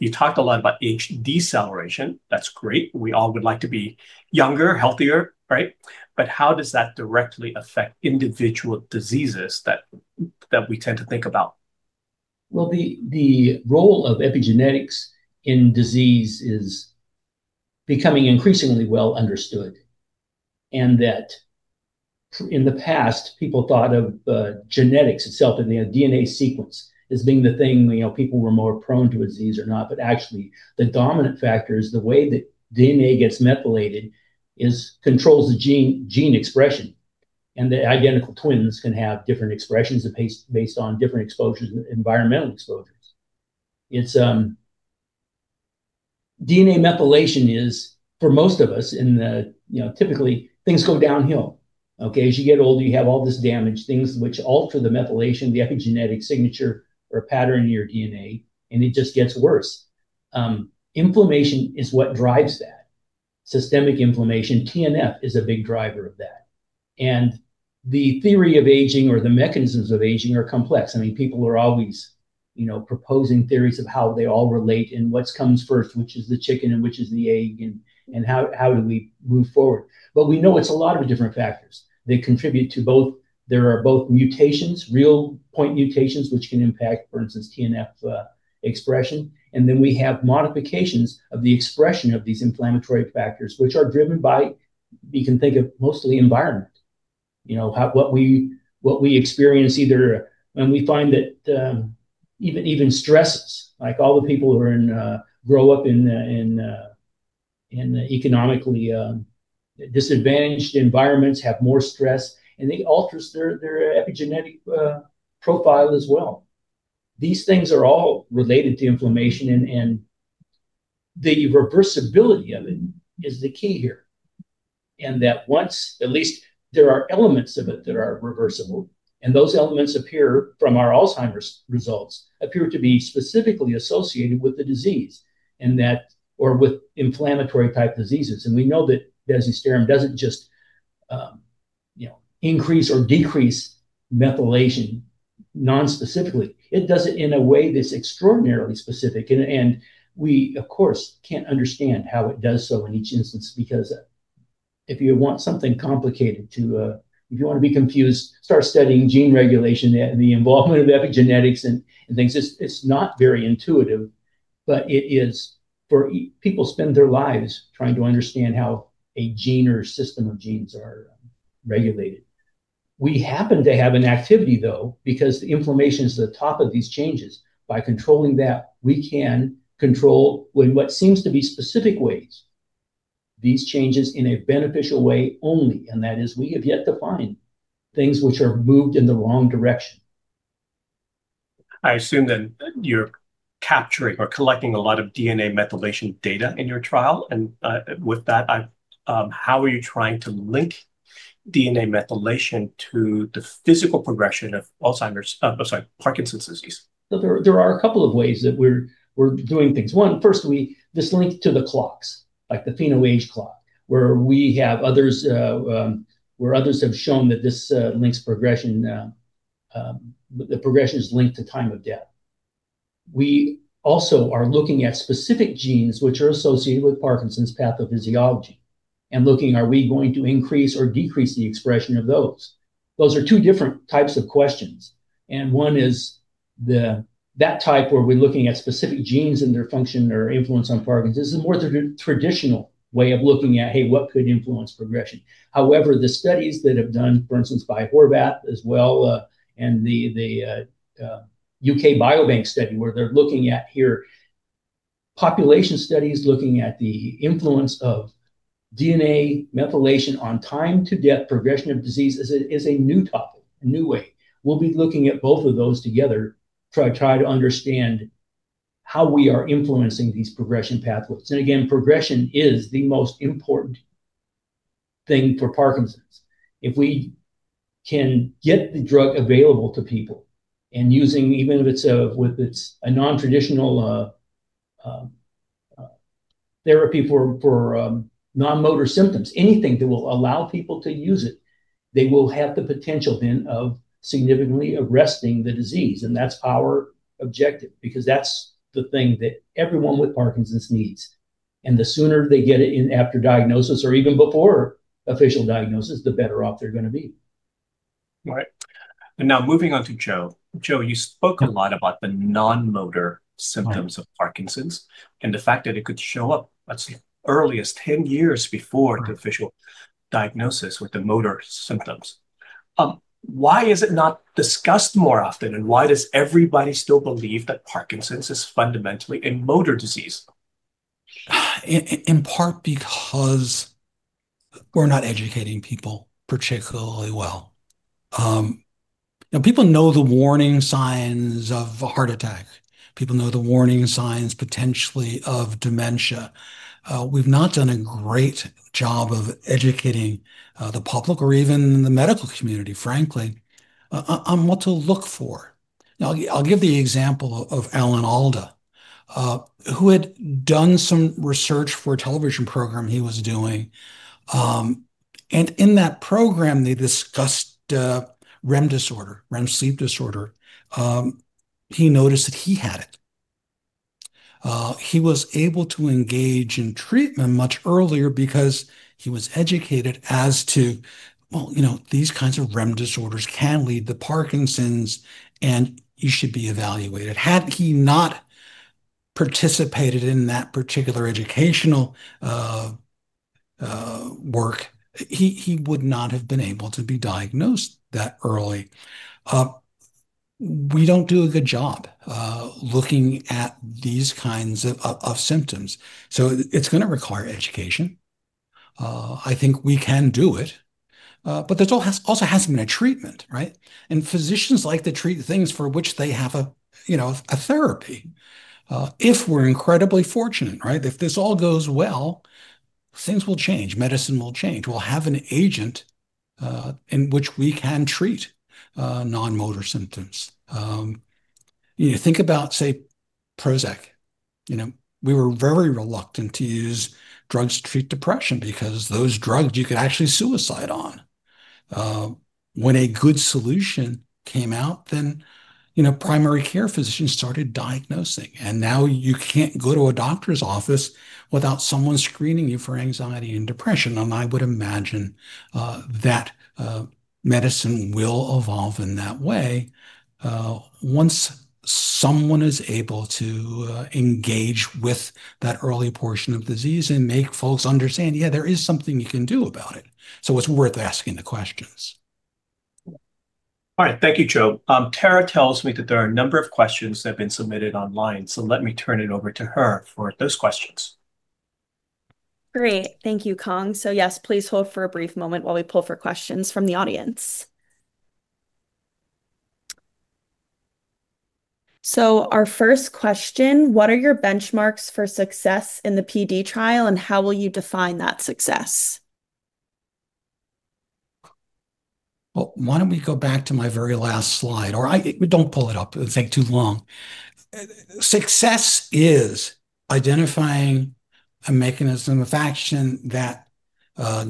You talked a lot about age deceleration. That's great. We all would like to be younger, healthier, right? How does that directly affect individual diseases that we tend to think about? Well, the role of epigenetics in disease is becoming increasingly well understood, that in the past, people thought of genetics itself in the DNA sequence as being the thing, you know, people were more prone to a disease or not. Actually, the dominant factor is the way that DNA gets methylated controls the gene expression. The identical twins can have different expressions based on different exposures, environmental exposures. It's, DNA methylation is, for most of us in the, you know, typically things go downhill, okay? As you get older, you have all this damage, things which alter the methylation, the epigenetic signature or pattern in your DNA, it just gets worse. Inflammation is what drives that. Systemic inflammation, TNF is a big driver of that. The theory of aging or the mechanisms of aging are complex. I mean, people are always, you know, proposing theories of how they all relate and what's comes first, which is the chicken and which is the egg, and how do we move forward. We know it's a lot of different factors. They contribute to both. There are both mutations, real point mutations, which can impact, for instance, TNF expression. Then we have modifications of the expression of these inflammatory factors, which are driven by, you can think of mostly environment. You know, how what we experience either When we find that, even stresses, like all the people who are in a economically disadvantaged environments have more stress, and it alters their epigenetic profile as well. These things are all related to inflammation, the reversibility of it is the key here. That once, at least there are elements of it that are reversible, those elements, from our Alzheimer's results, appear to be specifically associated with the disease or with inflammatory-type diseases. We know that bezisterim doesn't just, you know, increase or decrease methylation non-specifically. It does it in a way that's extraordinarily specific, and we of course, can't understand how it does so in each instance because if you want something complicated to, if you wanna be confused, start studying gene regulation and the involvement of epigenetics and things. It's not very intuitive, people spend their lives trying to understand how a gene or system of genes are regulated. We happen to have an activity though, because the inflammation's the top of these changes. By controlling that, we can control with what seems to be specific ways, these changes in a beneficial way only, and that is we have yet to find things which are moved in the wrong direction. I assume then you're capturing or collecting a lot of DNA methylation data in your trial and, with that, how are you trying to link DNA methylation to the physical progression of Alzheimer's, sorry, Parkinson's disease? There are a couple of ways that we're doing things. One, first, this link to the clocks, like the PhenoAge clock, where others have shown that this links progression, the progression is linked to time of death. We also are looking at specific genes which are associated with Parkinson's pathophysiology and looking are we going to increase or decrease the expression of those. Those are two different types of questions. One is that type where we're looking at specific genes and their function or influence on Parkinson's. This is a more traditional way of looking at, Hey, what could influence progression? The studies that have done, for instance, by Horvath as well, and the UK Biobank study, where they're looking at here population studies looking at the influence of DNA methylation on time to death progression of disease is a new topic, a new way. We'll be looking at both of those together to understand how we are influencing these progression pathways. Progression is the most important thing for Parkinson's. If we can get the drug available to people and using, even if it's a, with its a non-traditional therapy for non-motor symptoms. Anything that will allow people to use it, they will have the potential then of significantly arresting the disease. That's our objective. That's the thing that everyone with Parkinson's needs, and the sooner they get it in after diagnosis or even before official diagnosis, the better off they're gonna be. Right. Now moving on to Joe. Joe, you spoke a lot about the non-motor symptoms. Right of Parkinson's, and the fact that it could show up as early as 10 years before. Right the official diagnosis with the motor symptoms. Why is it not discussed more often, and why does everybody still believe that Parkinson's is fundamentally a motor disease? In part because we're not educating people particularly well. Now people know the warning signs of a heart attack. People know the warning signs potentially of dementia. We've not done a great job of educating the public or even the medical community, frankly, on what to look for. Now, I'll give the example of Alan Alda, who had done some research for a television program he was doing. In that program they discussed REM disorder, REM sleep disorder. He noticed that he had it. He was able to engage in treatment much earlier because he was educated as to, well, you know, these kinds of REM disorders can lead to Parkinson's, and you should be evaluated. Had he not participated in that particular educational work, he would not have been able to be diagnosed that early. We don't do a good job looking at these kinds of symptoms. It's gonna require education. I think we can do it, but there's also has to been a treatment, right? Physicians like to treat the things for which they have a, you know, a therapy. If we're incredibly fortunate, right, if this all goes well, things will change. Medicine will change. We'll have an agent in which we can treat non-motor symptoms. You think about, say, Prozac. You know, we were very reluctant to use drugs to treat depression because those drugs you could actually suicide on. When a good solution came out, you know, primary care physicians started diagnosing and now you can't go to a doctor's office without someone screening you for anxiety and depression. I would imagine that medicine will evolve in that way once someone is able to engage with that early portion of disease and make folks understand, yeah, there is something you can do about it's worth asking the questions. All right. Thank you, Joe. Tara tells me that there are a number of questions that have been submitted online, so let me turn it over to her for those questions. Great. Thank you, Cuong. Yes, please hold for a brief moment while we pull for questions from the audience. Our first question, what are your benchmarks for success in the PD trial, and how will you define that success? Well, why don't we go back to my very last slide. I Don't pull it up. It'll take too long. Success is identifying a mechanism of action that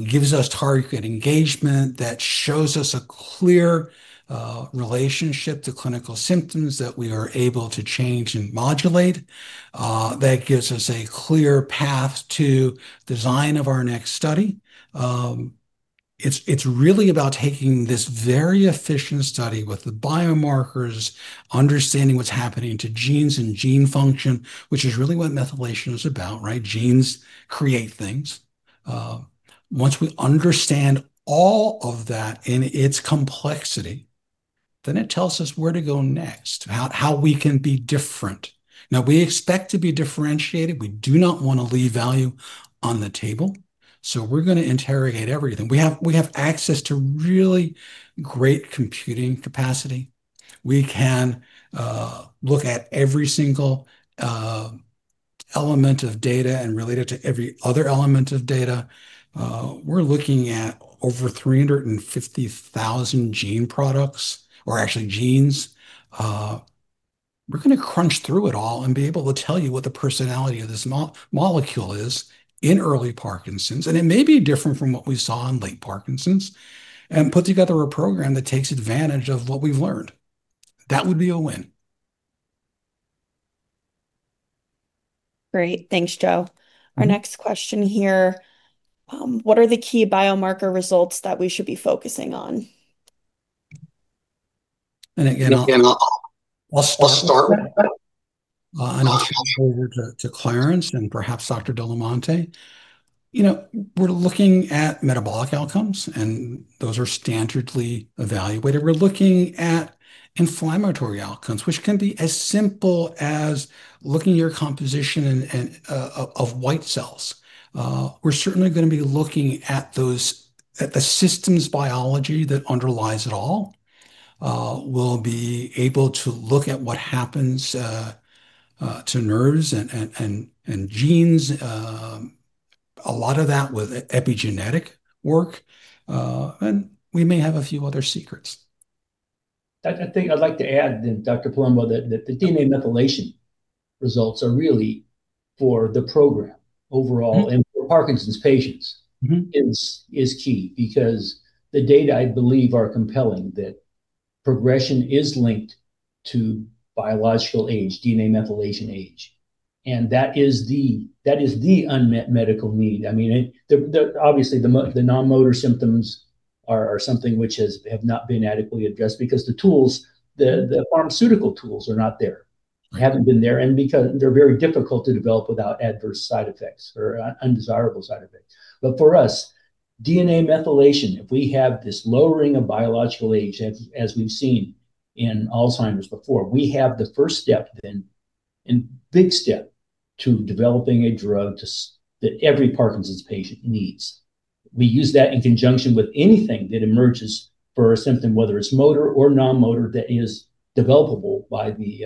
gives us target engagement, that shows us a clear relationship to clinical symptoms that we are able to change and modulate, that gives us a clear path to design of our next study. It's really about taking this very efficient study with the biomarkers, understanding what's happening to genes and gene function, which is really what methylation is about, right? Genes create things. Once we understand all of that in its complexity, it tells us where to go next, how we can be different. Now, we expect to be differentiated. We do not wanna leave value on the table, we're gonna interrogate everything. We have access to really great computing capacity. We can look at every single element of data and relate it to every other element of data. We're looking at over 350,000 gene products, or actually genes. We're gonna crunch through it all and be able to tell you what the personality of this molecule is in early Parkinson's, and it may be different from what we saw in late Parkinson's, and put together a program that takes advantage of what we've learned. That would be a win. Great. Thanks, Joe. Our next question here, what are the key biomarker results that we should be focusing on? Again, I'll start, and I'll hand it over to Clarence and perhaps Dr. de la Monte. You know, we're looking at metabolic outcomes, and those are standardly evaluated. We're looking at inflammatory outcomes, which can be as simple as looking at your composition and of white cells. We're certainly gonna be looking at those, at the systems biology that underlies it all. We'll be able to look at what happens to nerves and genes, a lot of that with epigenetic work. We may have a few other secrets. I think I'd like to add then, Dr. Palumbo, that the DNA methylation results are really for the program overall. For Parkinson's patients. is key because the data, I believe, are compelling that progression is linked to biological age, DNA methylation age, and that is the unmet medical need. I mean, the obviously the non-motor symptoms are something which have not been adequately addressed because the tools, the pharmaceutical tools are not there. Right. They haven't been there, and because they're very difficult to develop without adverse side effects or undesirable side effects. For us, DNA methylation, if we have this lowering of biological age, as we've seen in Alzheimer's before, we have the first step then, and big step, to developing a drug that every Parkinson's patient needs. We use that in conjunction with anything that emerges for a symptom, whether it's motor or non-motor, that is developable by the,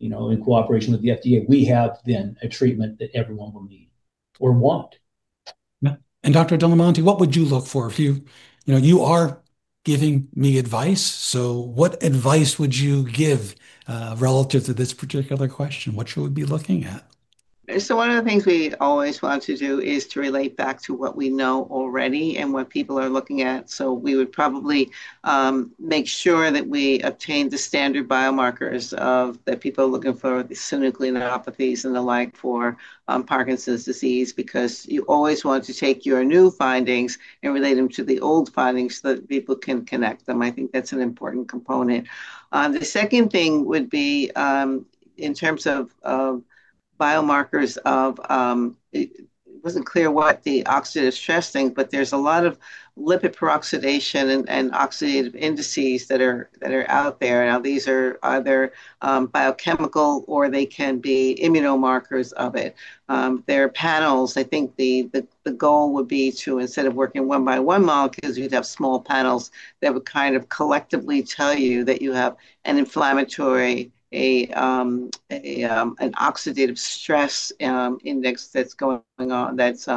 you know, in cooperation with the FDA. We have then a treatment that everyone will need or want. Yeah. Dr. de la Monte, what would you look for if you know, you are giving me advice, what advice would you give relative to this particular question? What should we be looking at? One of the things we always want to do is to relate back to what we know already and what people are looking at. We would probably make sure that we obtain the standard biomarkers of, that people are looking for the synucleinopathies and the like for Parkinson's disease, because you always want to take your new findings and relate them to the old findings so that people can connect them. I think that's an important component. The second thing would be in terms of biomarkers of it wasn't clear what the oxidative stress thing, but there's a lot of lipid peroxidation and oxidative indices that are out there. Now, these are either biochemical or they can be immunomarkers of it. There are panels. I think the goal would be to, instead of working one by one molecules, you'd have small panels that would kind of collectively tell you that you have an inflammatory, an oxidative stress index that's going on that's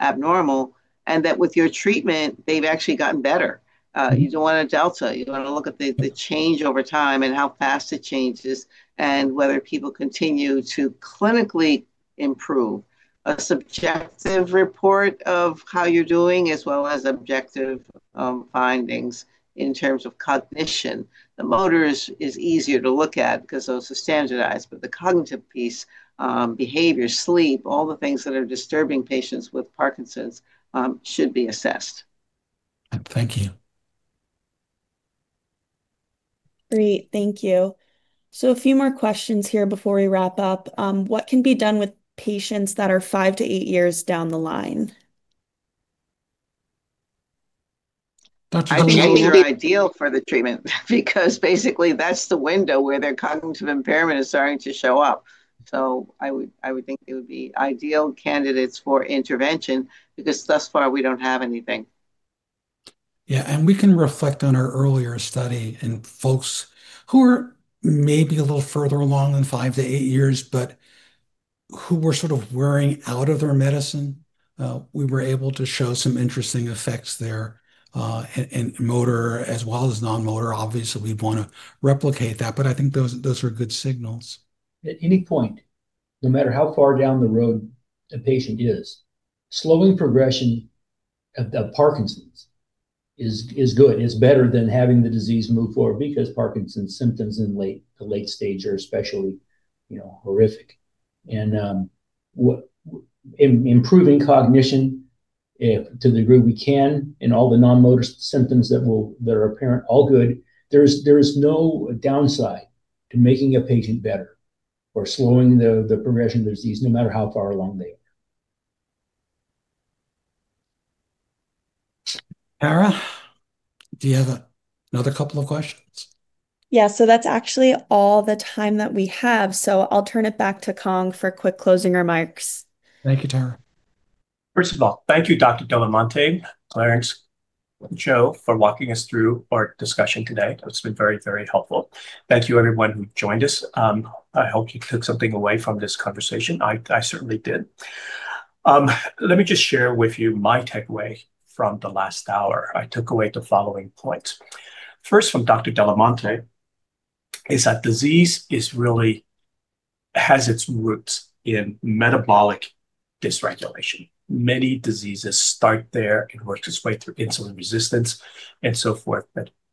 abnormal, and that with your treatment, they've actually gotten better. You'd want a delta. You'd wanna look at the change over time and how fast it changes and whether people continue to clinically improve. A subjective report of how you're doing as well as objective findings in terms of cognition. The motor is easier to look at because those are standardized, but the cognitive piece, behavior, sleep, all the things that are disturbing patients with Parkinson's should be assessed. Thank you. Great. Thank you. A few more questions here before we wrap up. What can be done with patients that are five to eight years down the line? Dr. de la Monte? I think they're ideal for the treatment because basically that's the window where their cognitive impairment is starting to show up. I would think they would be ideal candidates for intervention because thus far we don't have anything. Yeah. We can reflect on our earlier study in folks who are maybe a little further along than five to eight years, but who were sort of wearing out of their medicine. We were able to show some interesting effects there in motor as well as non-motor. Obviously, we'd wanna replicate that. I think those are good signals. At any point, no matter how far down the road a patient is, slowing progression of Parkinson's is good. It's better than having the disease move forward because Parkinson's symptoms in late, the late stage are especially, you know, horrific. Improving cognition to the degree we can and all the non-motor symptoms that are apparent, all good. There's no downside to making a patient better or slowing the progression of disease, no matter how far along they are. Tara, do you have another couple of questions? Yeah. That's actually all the time that we have. I'll turn it back to Cuong for quick closing remarks. Thank you, Tara. Thank you, Dr. de la Monte, Clarence, Joe, for walking us through our discussion today. It's been very, very helpful. Thank you everyone who joined us. I hope you took something away from this conversation. I certainly did. Let me just share with you my takeaway from the last hour. I took away the following points. First, from Dr. de la Monte, is that disease has its roots in metabolic dysregulation. Many diseases start there and work its way through insulin resistance and so forth.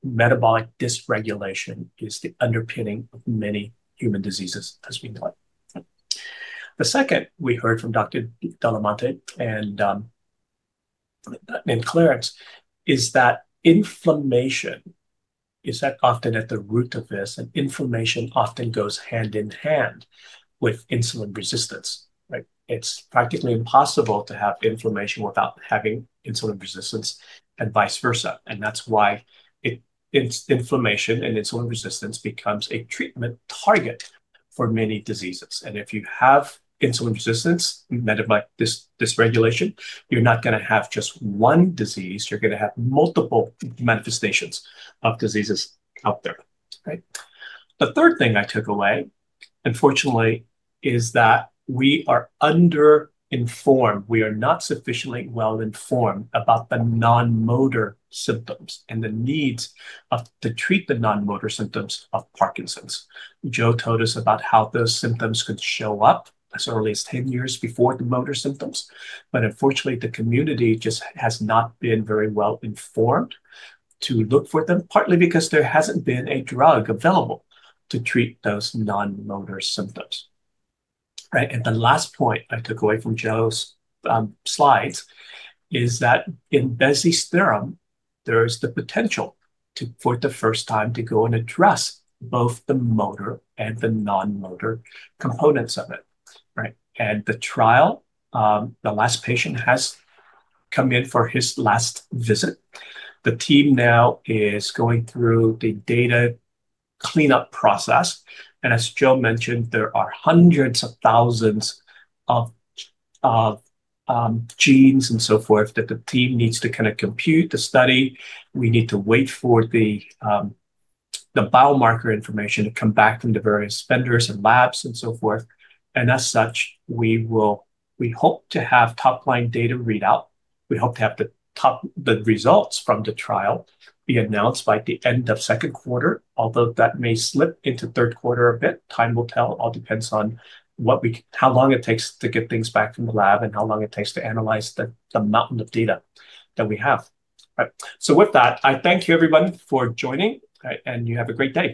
Metabolic dysregulation is the underpinning of many human diseases, as we know it. The second we heard from Dr. de la Monte and Clarence, is that inflammation is often at the root of this. Inflammation often goes hand in hand with insulin resistance, right? It's practically impossible to have inflammation without having insulin resistance and vice versa, that's why inflammation and insulin resistance becomes a treatment target for many diseases. If you have insulin resistance, metabolic dysregulation, you're not gonna have just one disease, you're gonna have multiple manifestations of diseases out there, right? The third thing I took away, unfortunately, is that we are under-informed. We are not sufficiently well-informed about the non-motor symptoms and the needs to treat the non-motor symptoms of Parkinson's. Joe told us about how those symptoms could show up as early as 10 years before the motor symptoms, unfortunately, the community just has not been very well-informed to look for them, partly because there hasn't been a drug available to treat those non-motor symptoms. Right. The last point I took away from Joe's slides is that in bezisterim, there's the potential to, for the first time, to go and address both the motor and the non-motor components of it, right? The trial, the last patient has come in for his last visit. The team now is going through the data cleanup process, as Joe mentioned, there are hundreds of thousands of genes and so forth that the team needs to kind of compute the study. We need to wait for the biomarker information to come back from the various vendors and labs and so forth. As such, we hope to have top-line data readout. We hope to have the results from the trial be announced by the end of second quarter, although that may slip into third quarter a bit. Time will tell. All depends on how long it takes to get things back from the lab and how long it takes to analyze the mountain of data that we have. Right. With that, I thank you everyone for joining, and you have a great day.